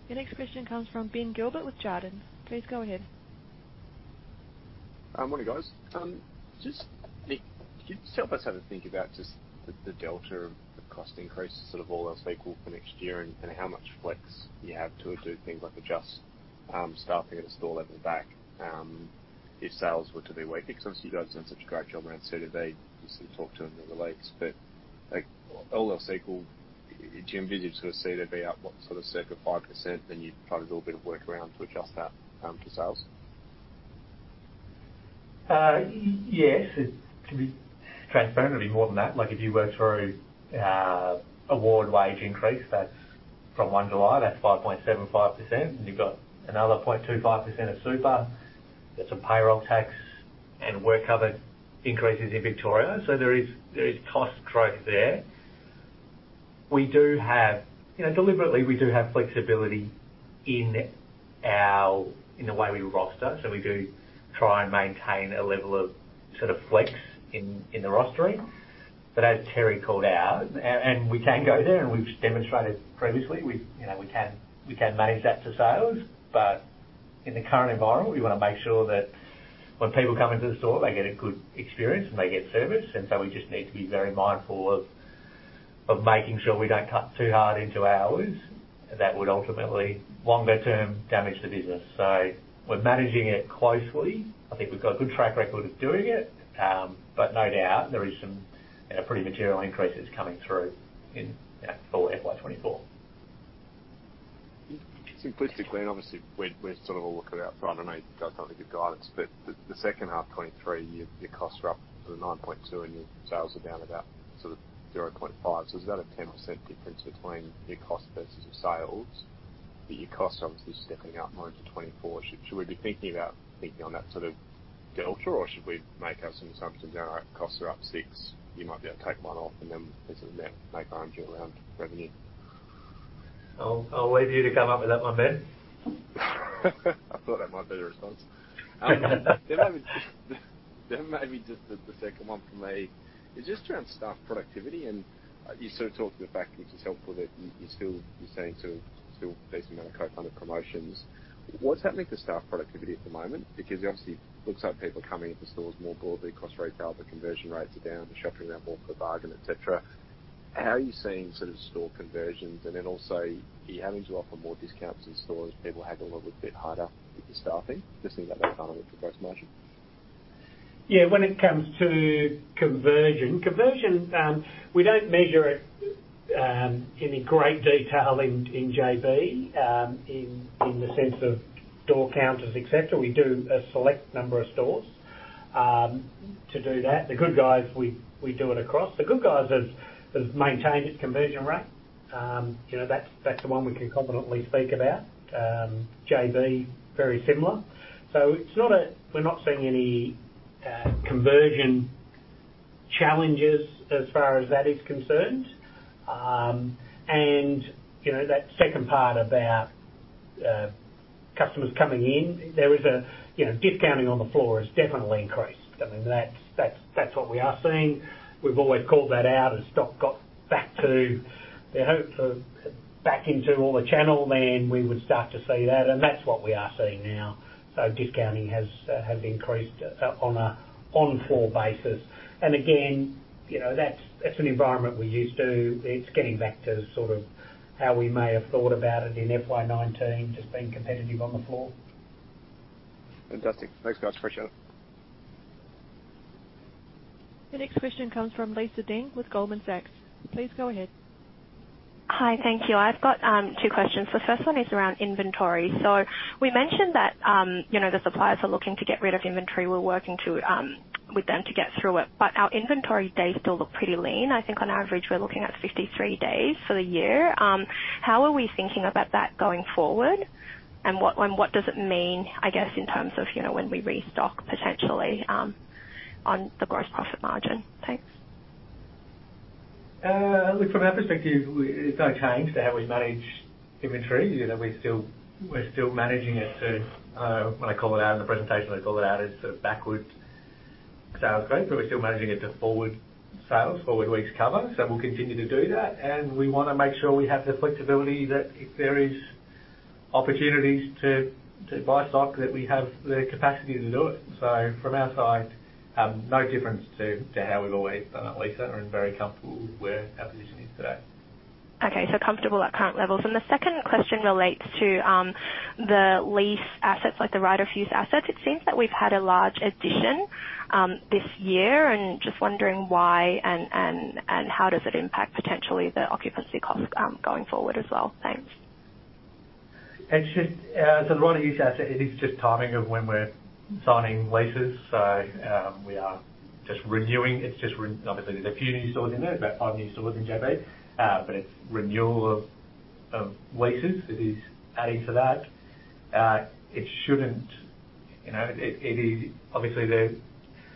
Your next question comes from Ben Gilbert with Jarden. Please go ahead. Morning, guys. Just, Nick, could you just help us have a think about just the, the delta of the cost increases, sort of all else equal for next year, and how much flex you have to do things like adjust staffing at a store level back, if sales were to be weak? Because obviously, you guys have done such a great job around CODB, just to talk to them in the lakes. Like, all else equal, do you envision sort of CODB up, what, sort of circa 5%, then you'd try to do a bit of work around to adjust that to sales? Yes, it can be transparently more than that. Like, if you work through, award wage increase, that's from July 1, that's 5.75%. You've got another 0.25% of super. There's some payroll tax and WorkCover increases in Victoria. There is, there is cost growth there. We do have, you know, deliberately, we do have flexibility in our, in the way we roster, so we do try and maintain a level of sort of flex in, in the rostering. But as Terry called out, and, and we can go there, and we've demonstrated previously, we, you know, we can, we can manage that to sales, but in the current environment, we want to make sure that when people come into the store, they get a good experience, and they get service. We just need to be very mindful of, of making sure we don't cut too hard into hours. That would ultimately, longer term, damage the business. We're managing it closely. I think we've got a good track record of doing it, but no doubt there is some, you know, pretty material increases coming through in, yeah, full FY24. Simplistically, and obviously, we're sort of all looking out for it, I know you guys don't give guidance, the second half FY23, your costs are up to 9.2%, and your sales are down about sort of 0.5%. Is that a 10% difference between your costs versus your sales? Your costs are obviously stepping up more into FY24. Should we be thinking about thinking on that sort of delta, or should we make out some assumptions around costs are up 6%, you might be able to take 1% off, and then make margins around revenue? I'll, I'll wait for you to come up with that one, Ben. I thought that might be the response. Maybe just the, the second one for me is just around staff productivity. You sort of talked to the fact, which is helpful, that you, you still, you're saying so still a decent amount of co-funded promotions. What's happening to staff productivity at the moment? It obviously looks like people are coming into stores more broadly, cross-retail, the conversion rates are down, the shuttering out more for bargain, et cetera. How are you seeing sort of store conversions, and then also, are you having to offer more discounts in stores, people haggle a little bit harder with the staffing, just think about that with the price promotion? Yeah, when it comes to conversion, conversion, we don't measure it in a great detail in, in JB, in, in the sense of door counters, et cetera. We do a select number of stores. To do that. The Good Guys, we, we do it across. The Good Guys has, has maintained its conversion rate. You know, that's, that's the one we can confidently speak about. JB, very similar. It's not a- We're not seeing any conversion challenges as far as that is concerned. You know, that second part about customers coming in, there is a, you know, discounting on the floor has definitely increased. I mean, that's, that's, that's what we are seeing. We've always called that out. As stock got back to the hope for back into all the channel, then we would start to see that, and that's what we are seeing now. Discounting has increased on a on-floor basis. Again, you know, that's, that's an environment we're used to. It's getting back to sort of how we may have thought about it in FY19, just being competitive on the floor. Fantastic. Thanks, guys, appreciate it. The next question comes from Lisa Deng with Goldman Sachs. Please go ahead. Hi, thank you. I've got 2 questions. The first one is around inventory. We mentioned that, you know, the suppliers are looking to get rid of inventory. We're working to, with them to get through it, but our inventory days still look pretty lean. I think on average, we're looking at 53 days for the year. How are we thinking about that going forward? What, and what does it mean, I guess, in terms of, you know, when we restock potentially, on the gross profit margin? Thanks. Look, from our perspective, it's no change to how we manage inventory. You know, we're still, we're still managing it to when I call it out in the presentation, I call it out as sort of backward sales growth. We're still managing it to forward sales, forward weeks cover. We'll continue to do that. We want to make sure we have the flexibility that if there is opportunities to, to buy stock, that we have the capacity to do it. From our side, no difference to how we've always done it, Lisa. We're very comfortable with where our position is today. Okay, comfortable at current levels. The second question relates to, the lease assets, like the right of use assets. It seems that we've had a large addition, this year, and just wondering why and how does it impact potentially the occupancy costs, going forward as well? Thanks. It's just, the right of use asset, it is just timing of when we're signing leases. We are just renewing. It's just obviously, there's a few new stores in there, about 5 new stores in JB, it's renewal of, of leases that is adding to that. It shouldn't, you know, it, it is obviously the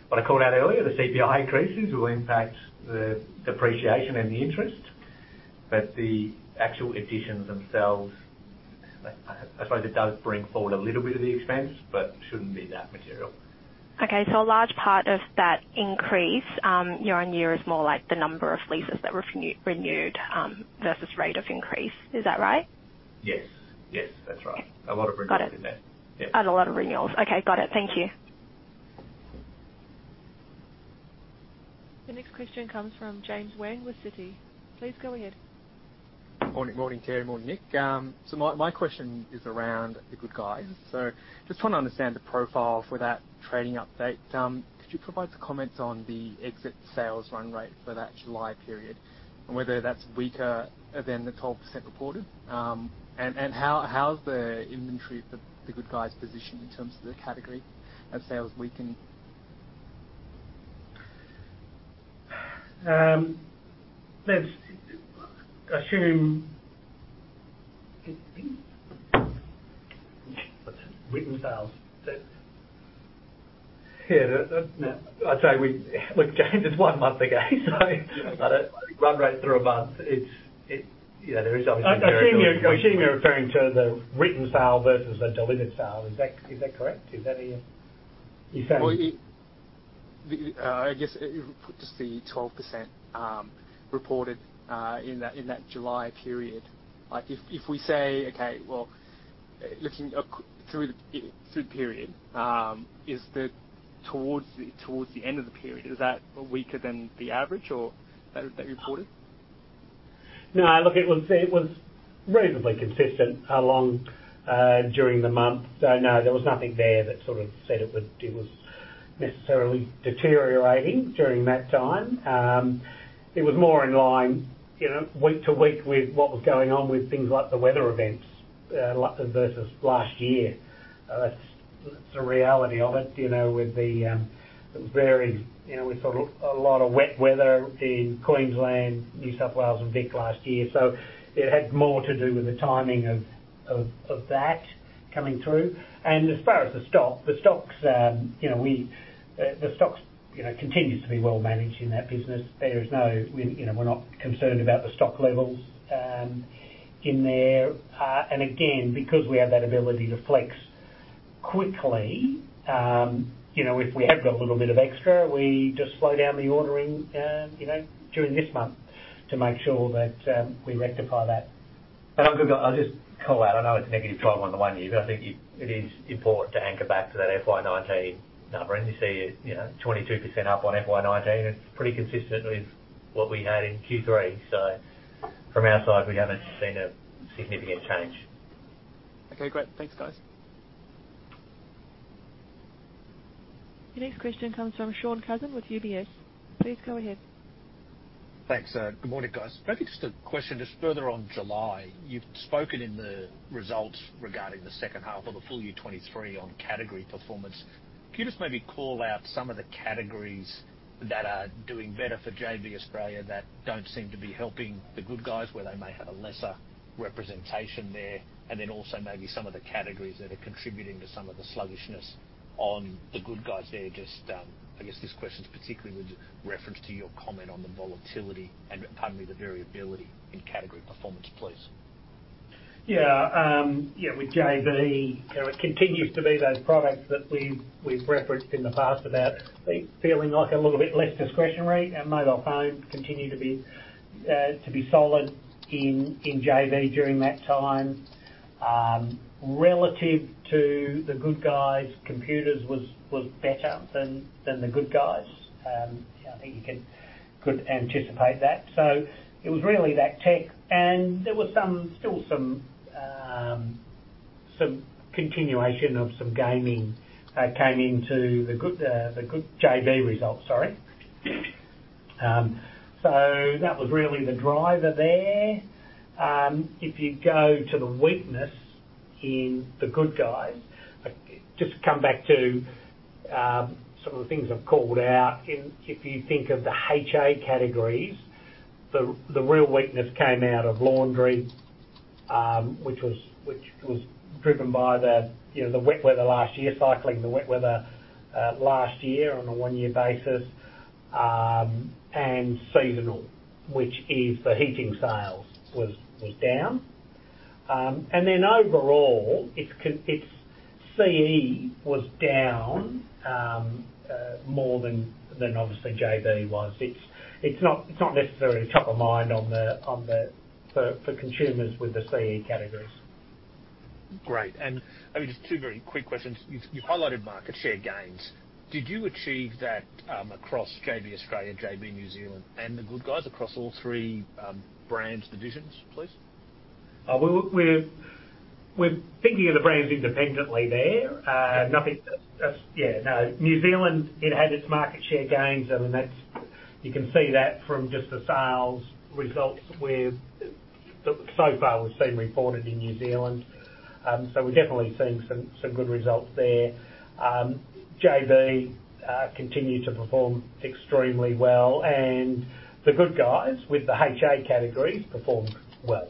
What I called out earlier, the CPI increases will impact the depreciation and the interest, but the actual additions themselves, I, I suppose it does bring forward a little bit of the expense, but shouldn't be that material. Okay. A large part of that increase year on year is more like the number of leases that were renewed versus rate of increase. Is that right? Yes. Yes, that's right. Yes. A lot of renewals in there. Got it. Yep. Had a lot of renewals. Okay, got it. Thank you. The next question comes from James Wang with Citi. Please go ahead. Morning, morning, Terry. Morning, Nick. My, my question is around The Good Guys. Just want to understand the profile for that trading update. Could you provide some comments on the exit sales run rate for that July period and whether that's weaker than the 12% reported? How's the inventory at The Good Guys positioned in terms of the category as sales weaken? Let's assume... Written sales. That- Yeah, that, I'd say Look, James, it's one month ago. I don't run rate through a month. It's, you know, there is obviously- I assume you're referring to the written sale versus the delivered sale. Is that correct? Is that you're saying...? Well, it, the, I guess just the 12% reported in that, in that July period. Like, if, if we say, okay, well, looking through the, through the period, is the towards the, towards the end of the period, is that weaker than the average or that, that you reported? No, look, it was, it was reasonably consistent along during the month, so, no, there was nothing there that sort of said it was, it was necessarily deteriorating during that time. It was more in line, you know, week to week with what was going on with things like the weather events versus last year. That's, that's the reality of it, you know, with the varied, you know, we've got a lot of wet weather in Queensland, New South Wales, and Vic last year, so it had more to do with the timing of, of, of that coming through. As far as the stock, the stocks, you know, the, the stocks, you know, continues to be well managed in that business. There is no, you know, we're not concerned about the stock levels in there. Again, because we have that ability to flex quickly, you know, if we have got a little bit of extra, we just slow down the ordering, you know, during this month to make sure that we rectify that. I've got, I'll just call out, I know it's -12 on the one year, but I think it, it is important to anchor back to that FY19 number. You see it, you know, 22% up on FY19, and it's pretty consistent with what we had in Q3. From our side, we haven't seen a significant change. Okay, great. Thanks, guys. The next question comes from Shaun Cousins with UBS. Please go ahead. Thanks, good morning, guys. Maybe just a question, just further on July. You've spoken in the results regarding the second half of FY23 on category performance. Can you just maybe call out some of the categories that are doing better for JB Australia that don't seem to be helping The Good Guys, where they may have a lesser representation there, and then also maybe some of the categories that are contributing to some of the sluggishness on The Good Guys there? Just, I guess this question is particularly with reference to your comment on the volatility and, pardon me, the variability in category performance, please. Yeah, yeah, with JB, you know, it continues to be those products that we've, we've referenced in the past about feeling like a little bit less discretionary, and mobile phones continue to be, to be solid in, in JB during that time. Relative to The Good Guys, computers was, was better than, than The Good Guys. I think you could anticipate that. So it was really that tech, and there was some, still some, some continuation of some gaming that came into the good, the good JB results, sorry. So that was really the driver there. If you go to the weakness in The Good Guys, just to come back to some of the things I've called out, if you think of the HA categories, the real weakness came out of laundry, which was, which was driven by the, you know, the wet weather last year, cycling the wet weather last year on a one-year basis, and seasonal, which is the heating sales, was, was down. Then overall, it's CE was down more than obviously JB was. It's not necessarily top of mind on the for consumers with the CE categories. Great. Maybe just two very quick questions. You've, you've highlighted market share gains. Did you achieve that across JB Australia, JB New Zealand, and The Good Guys across all three brands divisions, please? We're thinking of the brands independently there. Nothing. New Zealand, it had its market share gains. I mean, that's, you can see that from just the sales results we've, so far, we've seen reported in New Zealand. We're definitely seeing some good results there. JB continued to perform extremely well, and The Good Guys, with the HA categories, performed well.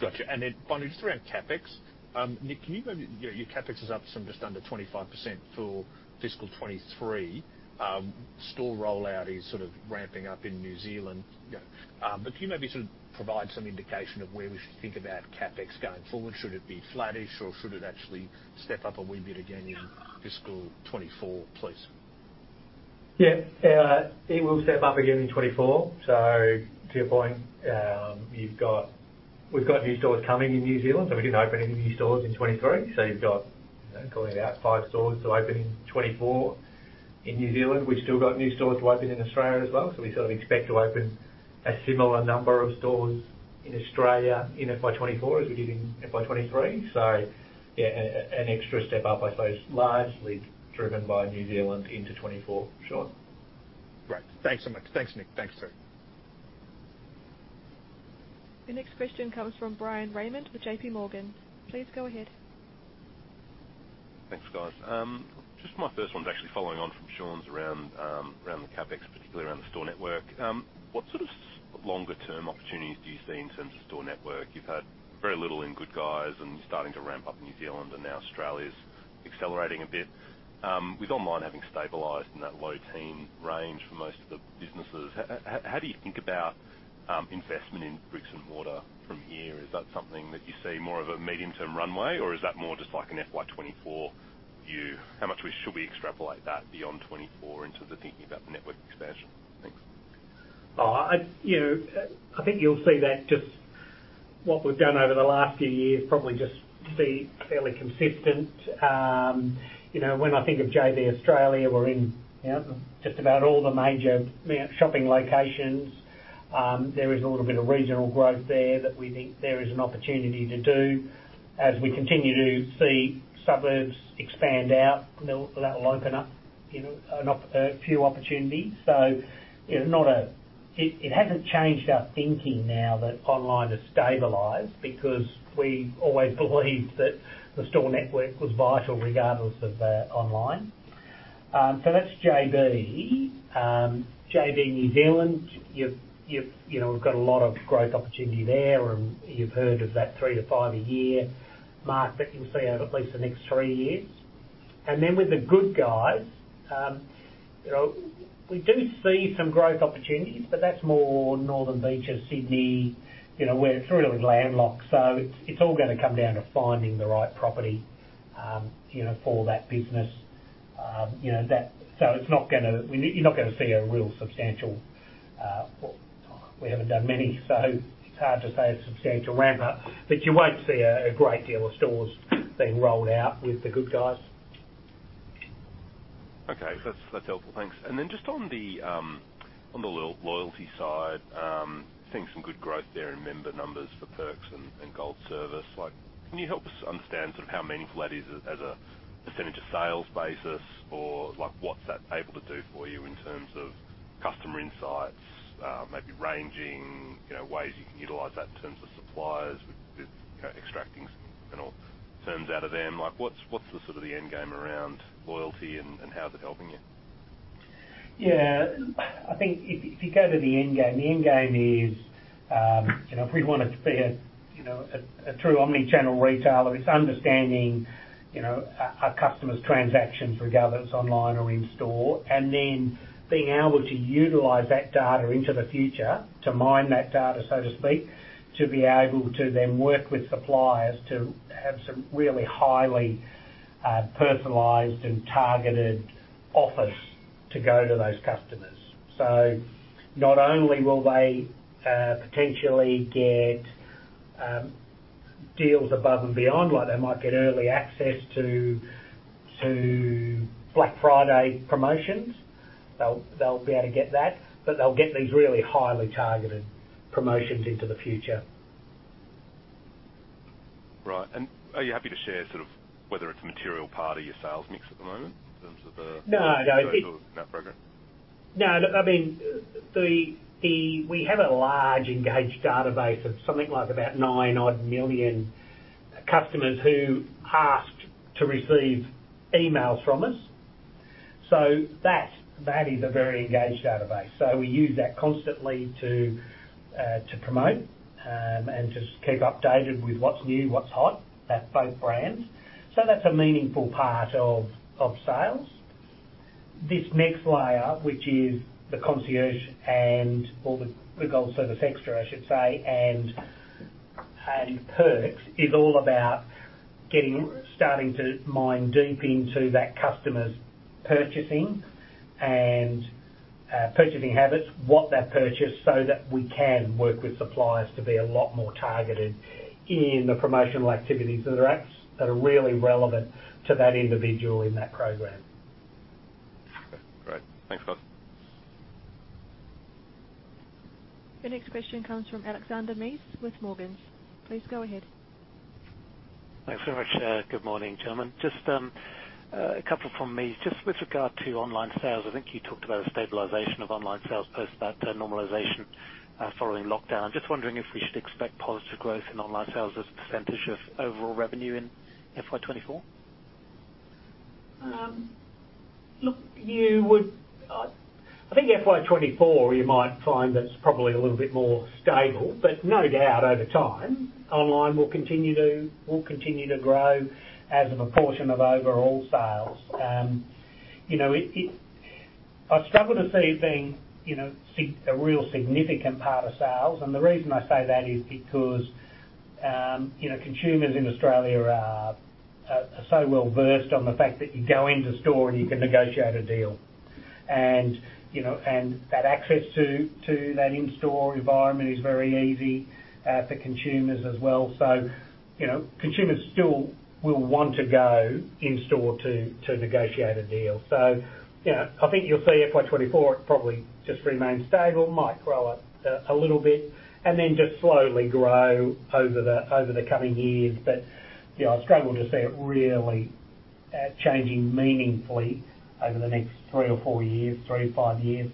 Gotcha. Finally, just around CapEx. Nick, can you maybe, you know, your CapEx is up some just under 25% for FY23. Store rollout is sort of ramping up in New Zealand, you know. But can you maybe sort of provide some indication of where we should think about CapEx going forward? Should it be flattish, or should it actually step up a wee bit again in FY24, please? Yeah, it will step up again in 2024. To your point, we've got new stores coming in New Zealand, so we didn't open any new stores in 2023. You've got, calling it out, 5 stores to open in 2024 in New Zealand. We've still got new stores to open in Australia as well, so we sort of expect to open a similar number of stores in Australia in FY24 as we did in FY23. Yeah, an, an extra step up, I suppose, largely driven by New Zealand into 2024, Shaun. Great. Thanks so much. Thanks, Nick. Thanks, Terry. The next question comes from Bryan Raymond with JPMorgan. Please go ahead. Thanks, guys. Just my first one's actually following on from Sean's around, around the CapEx, particularly around the store network. What sort of longer-term opportunities do you see in terms of store network? You've had very little in Good Guys and starting to ramp up in New Zealand, and now Australia's accelerating a bit. With online having stabilized in that low-teen range for most of the businesses, how do you think about investment in bricks and mortar from here? Is that something that you see more of a medium-term runway, or is that more just like an FY24 view? How much should we extrapolate that beyond 24 into the thinking about the network expansion? Thanks. Oh, you know, I think you'll see that just what we've done over the last few years, probably just be fairly consistent. You know, when I think of JB Australia, we're in, you know, just about all the major shopping locations. There is a little bit of regional growth there that we think there is an opportunity to do. As we continue to see suburbs expand out, that'll, that'll open up, you know, a few opportunities. You know, not it, it hasn't changed our thinking now that online has stabilized, because we always believed that the store network was vital regardless of the online. That's JB. JB New Zealand, you've, you've, you know, we've got a lot of growth opportunity there, and you've heard of that three to five a year mark that you'll see over at least the next three years. Then with The Good Guys, you know, we do see some growth opportunities, but that's more Northern Beaches, Sydney, you know, where it's really landlocked. It's, it's all gonna come down to finding the right property, you know, for that business. You know, it's not gonna, you're not gonna see a real substantial, well, we haven't done many, so it's hard to say a substantial ramp up, but you won't see a, a great deal of stores being rolled out with The Good Guys. Okay, that's, that's helpful. Thanks. Then just on the, on the loyalty side, seeing some good growth there in member numbers for Perks and Gold Service. Like, can you help us understand sort of how meaningful that is as a percentage of sales basis, like, what's that able to do for you in terms of customer insights, maybe ranging, you know, ways you can utilize that in terms of suppliers with, with, you know, extracting terms out of them, like, what's, what's the sort of the end game around loyalty, and, and how is it helping you? Yeah, I think if, if you go to the end game, the end game is, you know, if we want to be a, you know, a, a true omni-channel retailer, it's understanding, you know, our, our customer's transactions, regardless online or in store, and then being able to utilize that data into the future, to mine that data, so to speak, to be able to then work with suppliers to have some really highly personalized and targeted offers to go to those customers. Not only will they potentially get deals above and beyond, like they might get early access to, to Black Friday promotions, they'll, they'll be able to get that, but they'll get these really highly targeted promotions into the future. Right. Are you happy to share sort of whether it's a material part of your sales mix at the moment in terms of the program? No, look, I mean, we have a large engaged database of something like about 9 odd million customers who asked to receive emails from us. So that, that is a very engaged database. So we use that constantly to promote and just keep updated with what's new, what's hot at both brands. So that's a meaningful part of sales. This next layer, which is the concierge and or the Gold Service Extras, I should say, and Perks, is all about getting, starting to mine deep into that customer's purchasing and purchasing habits, what they purchase, so that we can work with suppliers to be a lot more targeted in the promotional activities that are really relevant to that individual in that program. Okay, great. Thanks, boss. The next question comes from Alexander Mees with Morgans Financial. Please go ahead. Thanks very much. good morning, gentlemen. Just a couple from me. Just with regard to online sales, I think you talked about a stabilization of online sales post that normalization following lockdown. I'm just wondering if we should expect positive growth in online sales as a percentage of overall revenue in FY24? I think FY24, you might find that it's probably a little bit more stable, but no doubt, over time, online will continue to, will continue to grow as a proportion of overall sales. You know, I struggle to see it being, you know, a real significant part of sales. The reason I say that is because, you know, consumers in Australia are, are, are so well-versed on the fact that you go into store, and you can negotiate a deal. You know, that access to, to that in-store environment is very easy for consumers as well. You know, consumers still will want to go in store to, to negotiate a deal. You know, I think you'll see FY24, it probably just remains stable, might grow up, a little bit, and then just slowly grow over the, over the coming years. You know, I struggle to see it really, changing meaningfully over the next 3 or 4 years, 3 to 5 years.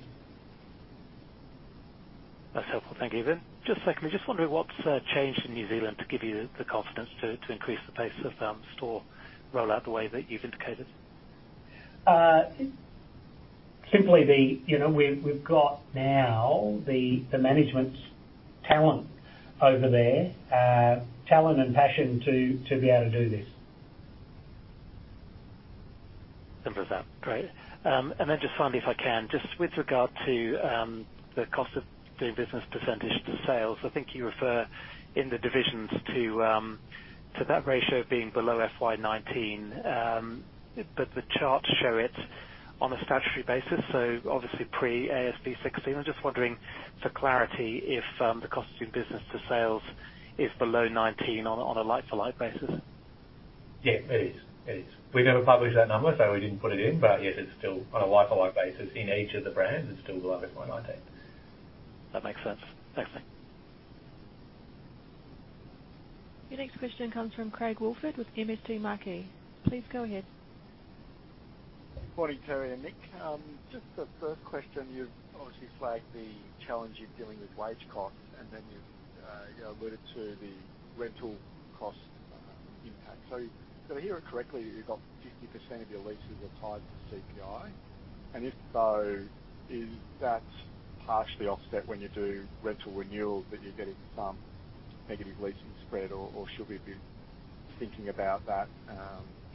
That's helpful. Thank you. Just secondly, just wondering what's changed in New Zealand to give you the confidence to, to increase the pace of store rollout the way that you've indicated? simply the, you know, we've, we've got now the, the management talent over there, talent and passion to, to be able to do this. Simple as that. Great. Just finally, if I can, just with regard to, the cost of doing business percentage to sales, I think you refer in the divisions to, to that ratio being below FY19. The charts show it on a statutory basis, so obviously pre AASB 16. I'm just wondering, for clarity, if the cost of doing business to sales is below 19 on a, on a like-to-like basis? Yeah, it is. It is. We never published that number, so we didn't put it in, but yes, it's still on a like to like basis in each of the brands. It's still below FY19. That makes sense. Thanks, mate. Your next question comes from Craig Woolford with MST Marquee. Please go ahead. Morning, Terry and Nick. just the first question, you've obviously flagged the challenge you're dealing with wage costs, and then you've alluded to the rental cost impact. If I hear it correctly, you've got 50% of your leases are tied to CPI, and if so, is that partially offset when you do rental renewals, that you're getting some negative leasing spread, or, or should we be thinking about that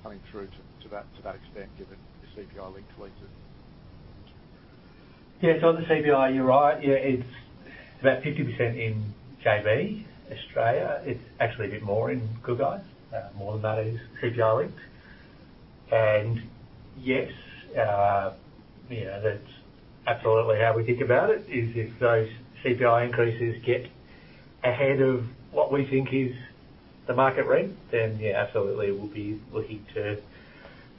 coming through to, to that, to that extent, given the CPI-linked leases? Yeah. On the CPI, you're right. Yeah, it's about 50% in JB Australia. It's actually a bit more in Good Guys, more of that is CPI linked. Yes, you know, that's absolutely how we think about it, is if those CPI increases get-... ahead of what we think is the market rate, then yeah, absolutely, we'll be looking to,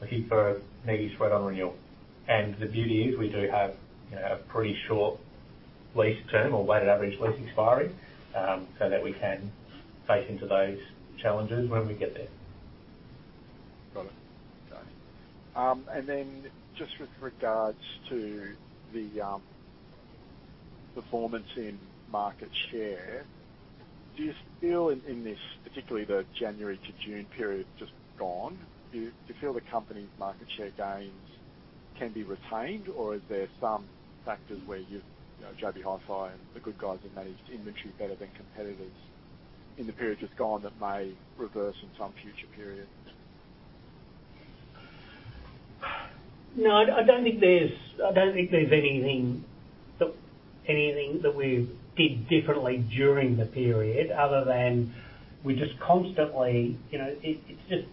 looking for maybe straight on renewal. The beauty is we do have, you know, a pretty short lease term or weighted average lease expiry, so that we can face into those challenges when we get there. Got it. Okay. Then just with regards to the performance in market share, do you feel in, in this, particularly the January to June period just gone, do you, do you feel the company's market share gains can be retained? Or are there some factors where you've, you know, JB Hi-Fi and The Good Guys have managed inventory better than competitors in the period just gone that may reverse in some future period? No, I, I don't think there's, I don't think there's anything that, anything that we did differently during the period other than we're just constantly, you know, it, it's just,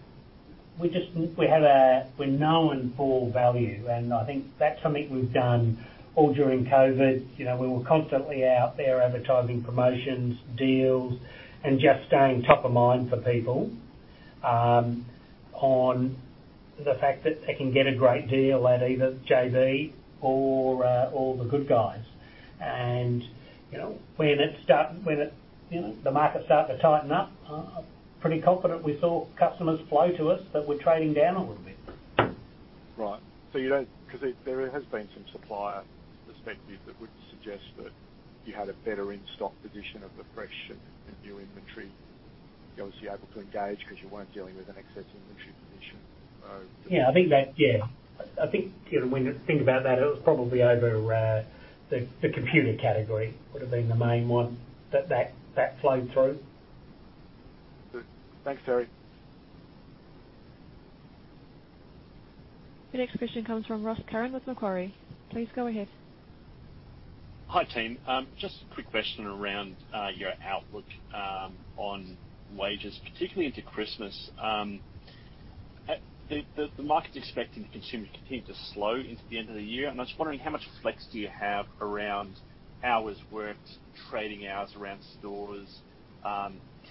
we just, we have we're known for value, and I think that's something we've done all during COVID. You know, we were constantly out there advertising promotions, deals, and just staying top of mind for people, on the fact that they can get a great deal at either JB or The Good Guys. You know, when it start, when it, you know, the market started to tighten up, pretty confident we saw customers flow to us, but we're trading down a little bit. Right. You don't cause there, there has been some supplier perspective that would suggest that you had a better in-stock position of the fresh and, and new inventory. You obviously able to engage 'cause you weren't dealing with an excess inventory position, so. Yeah, I think that, yeah. I think, you know, when you think about that, it was probably over, the, the computer category would've been the main one that, that, that flowed through. Good. Thanks, Terry. The next question comes from Ross Curran with Macquarie. Please go ahead. Hi, team. just a quick question around your outlook on wages, particularly into Christmas. the, the market's expecting consumer to continue to slow into the end of the year. I'm just wondering, how much flex do you have around hours worked, trading hours around stores,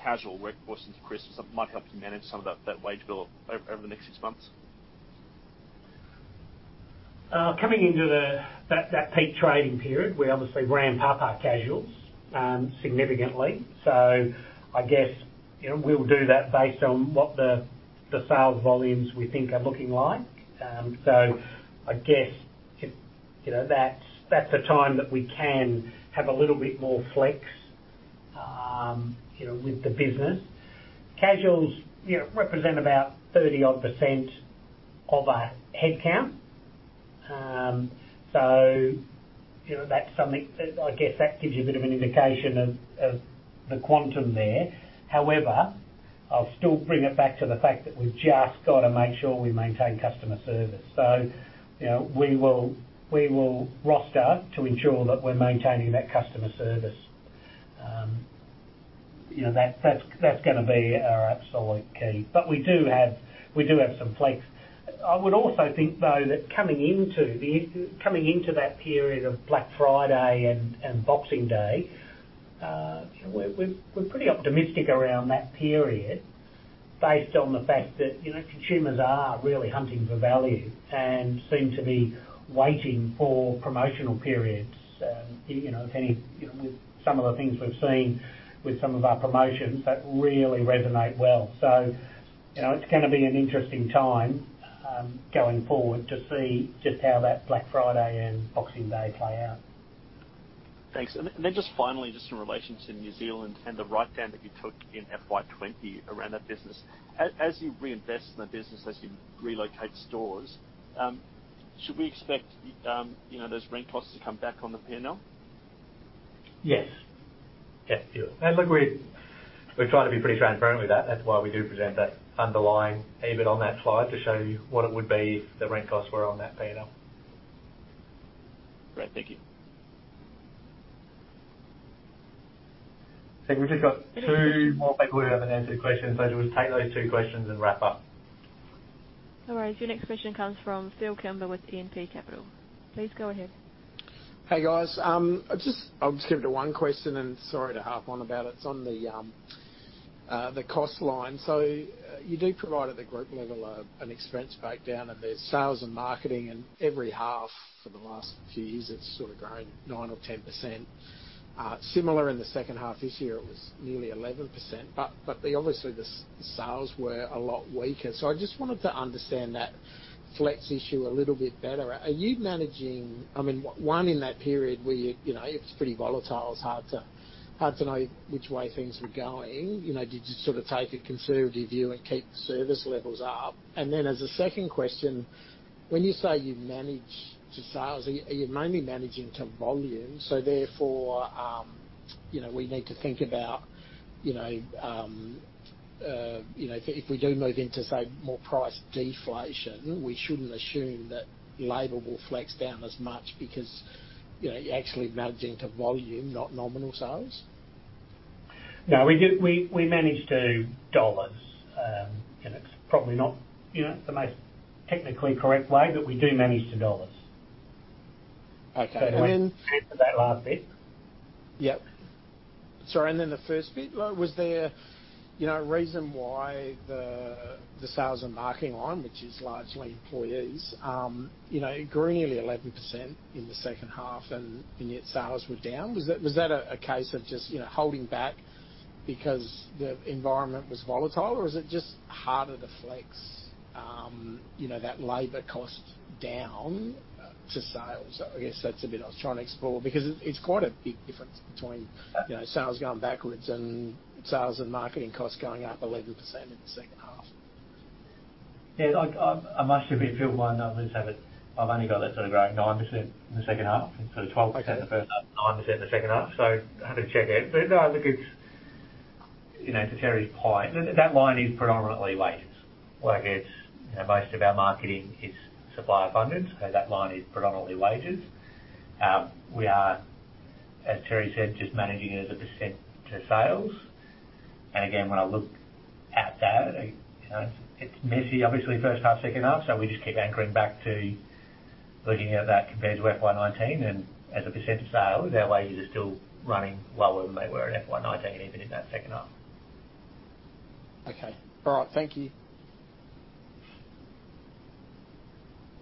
casual workforce into Christmas that might help you manage some of that, that wage bill over, over the next six months? coming into the, that, that peak trading period, we obviously ramp up our casuals significantly. I guess, you know, we'll do that based on what the, the sales volumes we think are looking like. I guess if, you know, that's, that's a time that we can have a little bit more flex, you know, with the business. Casuals, you know, represent about 30 odd % of our headcount. So, you know, that's something that I guess that gives you a bit of an indication of, of the quantum there. However, I'll still bring it back to the fact that we've just got to make sure we maintain customer service. You know, we will, we will roster to ensure that we're maintaining that customer service. You know, that's, that's, that's gonna be our absolute key. We do have, we do have some flex. I would also think, though, that coming into the, coming into that period of Black Friday and, and Boxing Day, we're, we're, we're pretty optimistic around that period based on the fact that, you know, consumers are really hunting for value and seem to be waiting for promotional periods. You know, if any, you know, with some of the things we've seen with some of our promotions, that really resonate well. You know, it's gonna be an interesting time, going forward to see just how that Black Friday and Boxing Day play out. Thanks. Then, and then just finally, just in relation to New Zealand and the write-down that you took in FY20 around that business. As, as you reinvest in the business, as you relocate stores, should we expect, you know, those rent costs to come back on the P&L? Yes. Yes, we will. Look, we're trying to be pretty transparent with that. That's why we do present that underlying EBIT on that slide, to show you what it would be if the rent costs were on that P&L. Great. Thank you. Think we've just got two more people who have unanswered questions, so we'll just take those two questions and wrap up. All right. Your next question comes from Phil Kimber with Evans and Partners. Please go ahead. Hey, guys. I'll just, I'll just keep it to one question, sorry to harp on about it. It's on the cost line. You do provide at the group level a, an expense breakdown, there's sales and marketing, every half for the last few years, it's sort of grown 9% or 10%. Similar in the second half this year, it was nearly 11%, the obviously the sales were a lot weaker. I just wanted to understand that flex issue a little bit better. Are you managing... I mean, one, in that period where, you know, it was pretty volatile, it's hard to, hard to know which way things were going. You know, did you sort of take a conservative view and keep the service levels up? Then as a second question, when you say you manage to sales, are you mainly managing to volume? So therefore, you know, we need to think about, you know, you know, if, if we do move into, say, more price deflation, we shouldn't assume that labor will flex down as much because, you know, you're actually managing to volume, not nominal sales. No, we manage to dollars, probably not, you know, the most technically correct way, but we do manage to dollars. Okay. That last bit. Yep. Sorry, then the first bit, was there, you know, a reason why the, the sales and marketing line, which is largely employees, you know, grew nearly 11% in the second half, and, and yet sales were down? Was that, was that a, a case of just, you know, holding back because the environment was volatile? Or is it just harder to flex, you know, that labor cost down to sales? I guess that's the bit I was trying to explore, because it's quite a big difference between, you know, sales going backwards and sales and marketing costs going up 11% in the second half. Yeah, I, I, I must admit, you'll wind up, let's have it. I've only got that sort of growing 9% in the second half, and sort of 12% in the first half, 9% in the second half, so I'll have to check it. No, look, it's, you know, to Terry's point, that line is predominantly wages, where it's, you know, most of our marketing is supplier funded, so that line is predominantly wages. We are, as Terry said, just managing it as a % to sales. Again, when I look at that, I, you know, it's, it's messy, obviously, first half, second half, so we just keep anchoring back to looking at how that compares with FY19. As a % of sales, our wages are still running well where they were in FY19, and even in that second half. Okay. All right, thank you.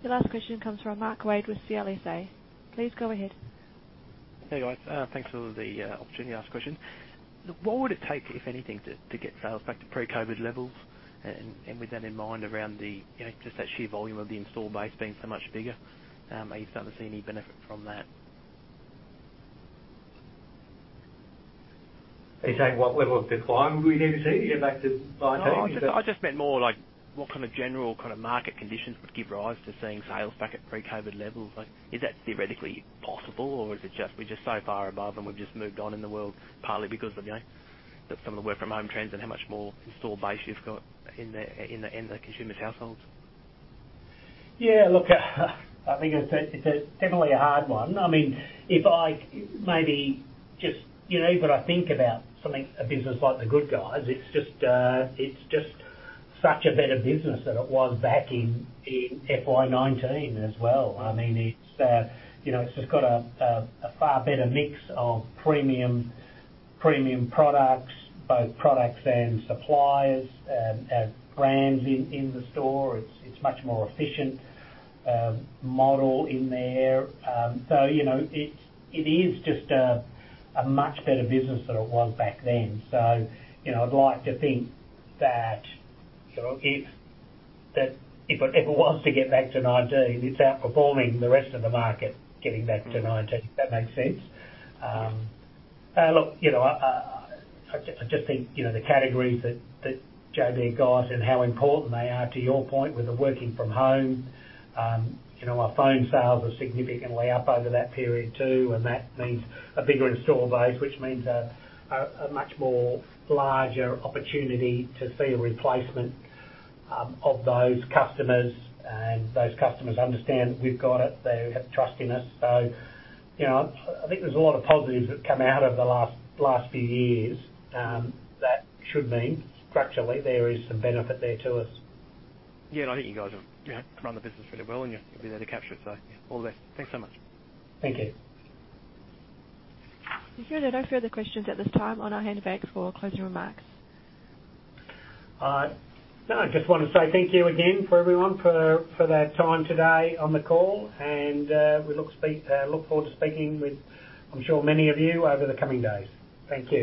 Your last question comes from Mark Wade with CLSA. Please go ahead. Hey, guys. thanks for the opportunity to ask a question. What would it take, if anything, to, to get sales back to pre-COVID levels? With that in mind, around the, you know, just that sheer volume of the install base being so much bigger, are you starting to see any benefit from that? Are you saying what level of decline we need to see to get back to 2019? No, I just, I just meant more like what kind of general kind of market conditions would give rise to seeing sales back at pre-COVID levels? Like, is that theoretically possible, or is it just, we're just so far above, and we've just moved on in the world, partly because of, you know, some of the work from home trends and how much more install base you've got in the, in the, in the consumers' households? Yeah, look, I think it's definitely a hard one. I mean, if I maybe just, you know, when I think about something, a business like The Good Guys, it's just such a better business than it was back in FY19 as well. I mean, it's, you know, it's just got a far better mix of premium, premium products, both products and suppliers, brands in the store. It's much more efficient model in there. You know, it's just a much better business than it was back then. You know, I'd like to think that, you know, if it ever wants to get back to 19, it's outperforming the rest of the market, getting back to 19, if that makes sense. Yes. Look, you know, just think, you know, the categories that, that JB got and how important they are, to your point, with the working from home. You know, our phone sales are significantly up over that period, too, and that means a bigger install base, which means a much more larger opportunity to see a replacement, of those customers. Those customers understand we've got it, they have trust in us. You know, I think there's a lot of positives that come out of the last, last few years, that should mean structurally there is some benefit there to us. Yeah, and I think you guys have, you know, run the business really well, and you'll be there to capture it, so all the best. Thanks so much. Thank you. There are no further questions at this time. On our handbag for closing remarks. No, I just want to say thank you again for everyone for, for their time today on the call and look forward to speaking with, I'm sure many of you, over the coming days. Thank you.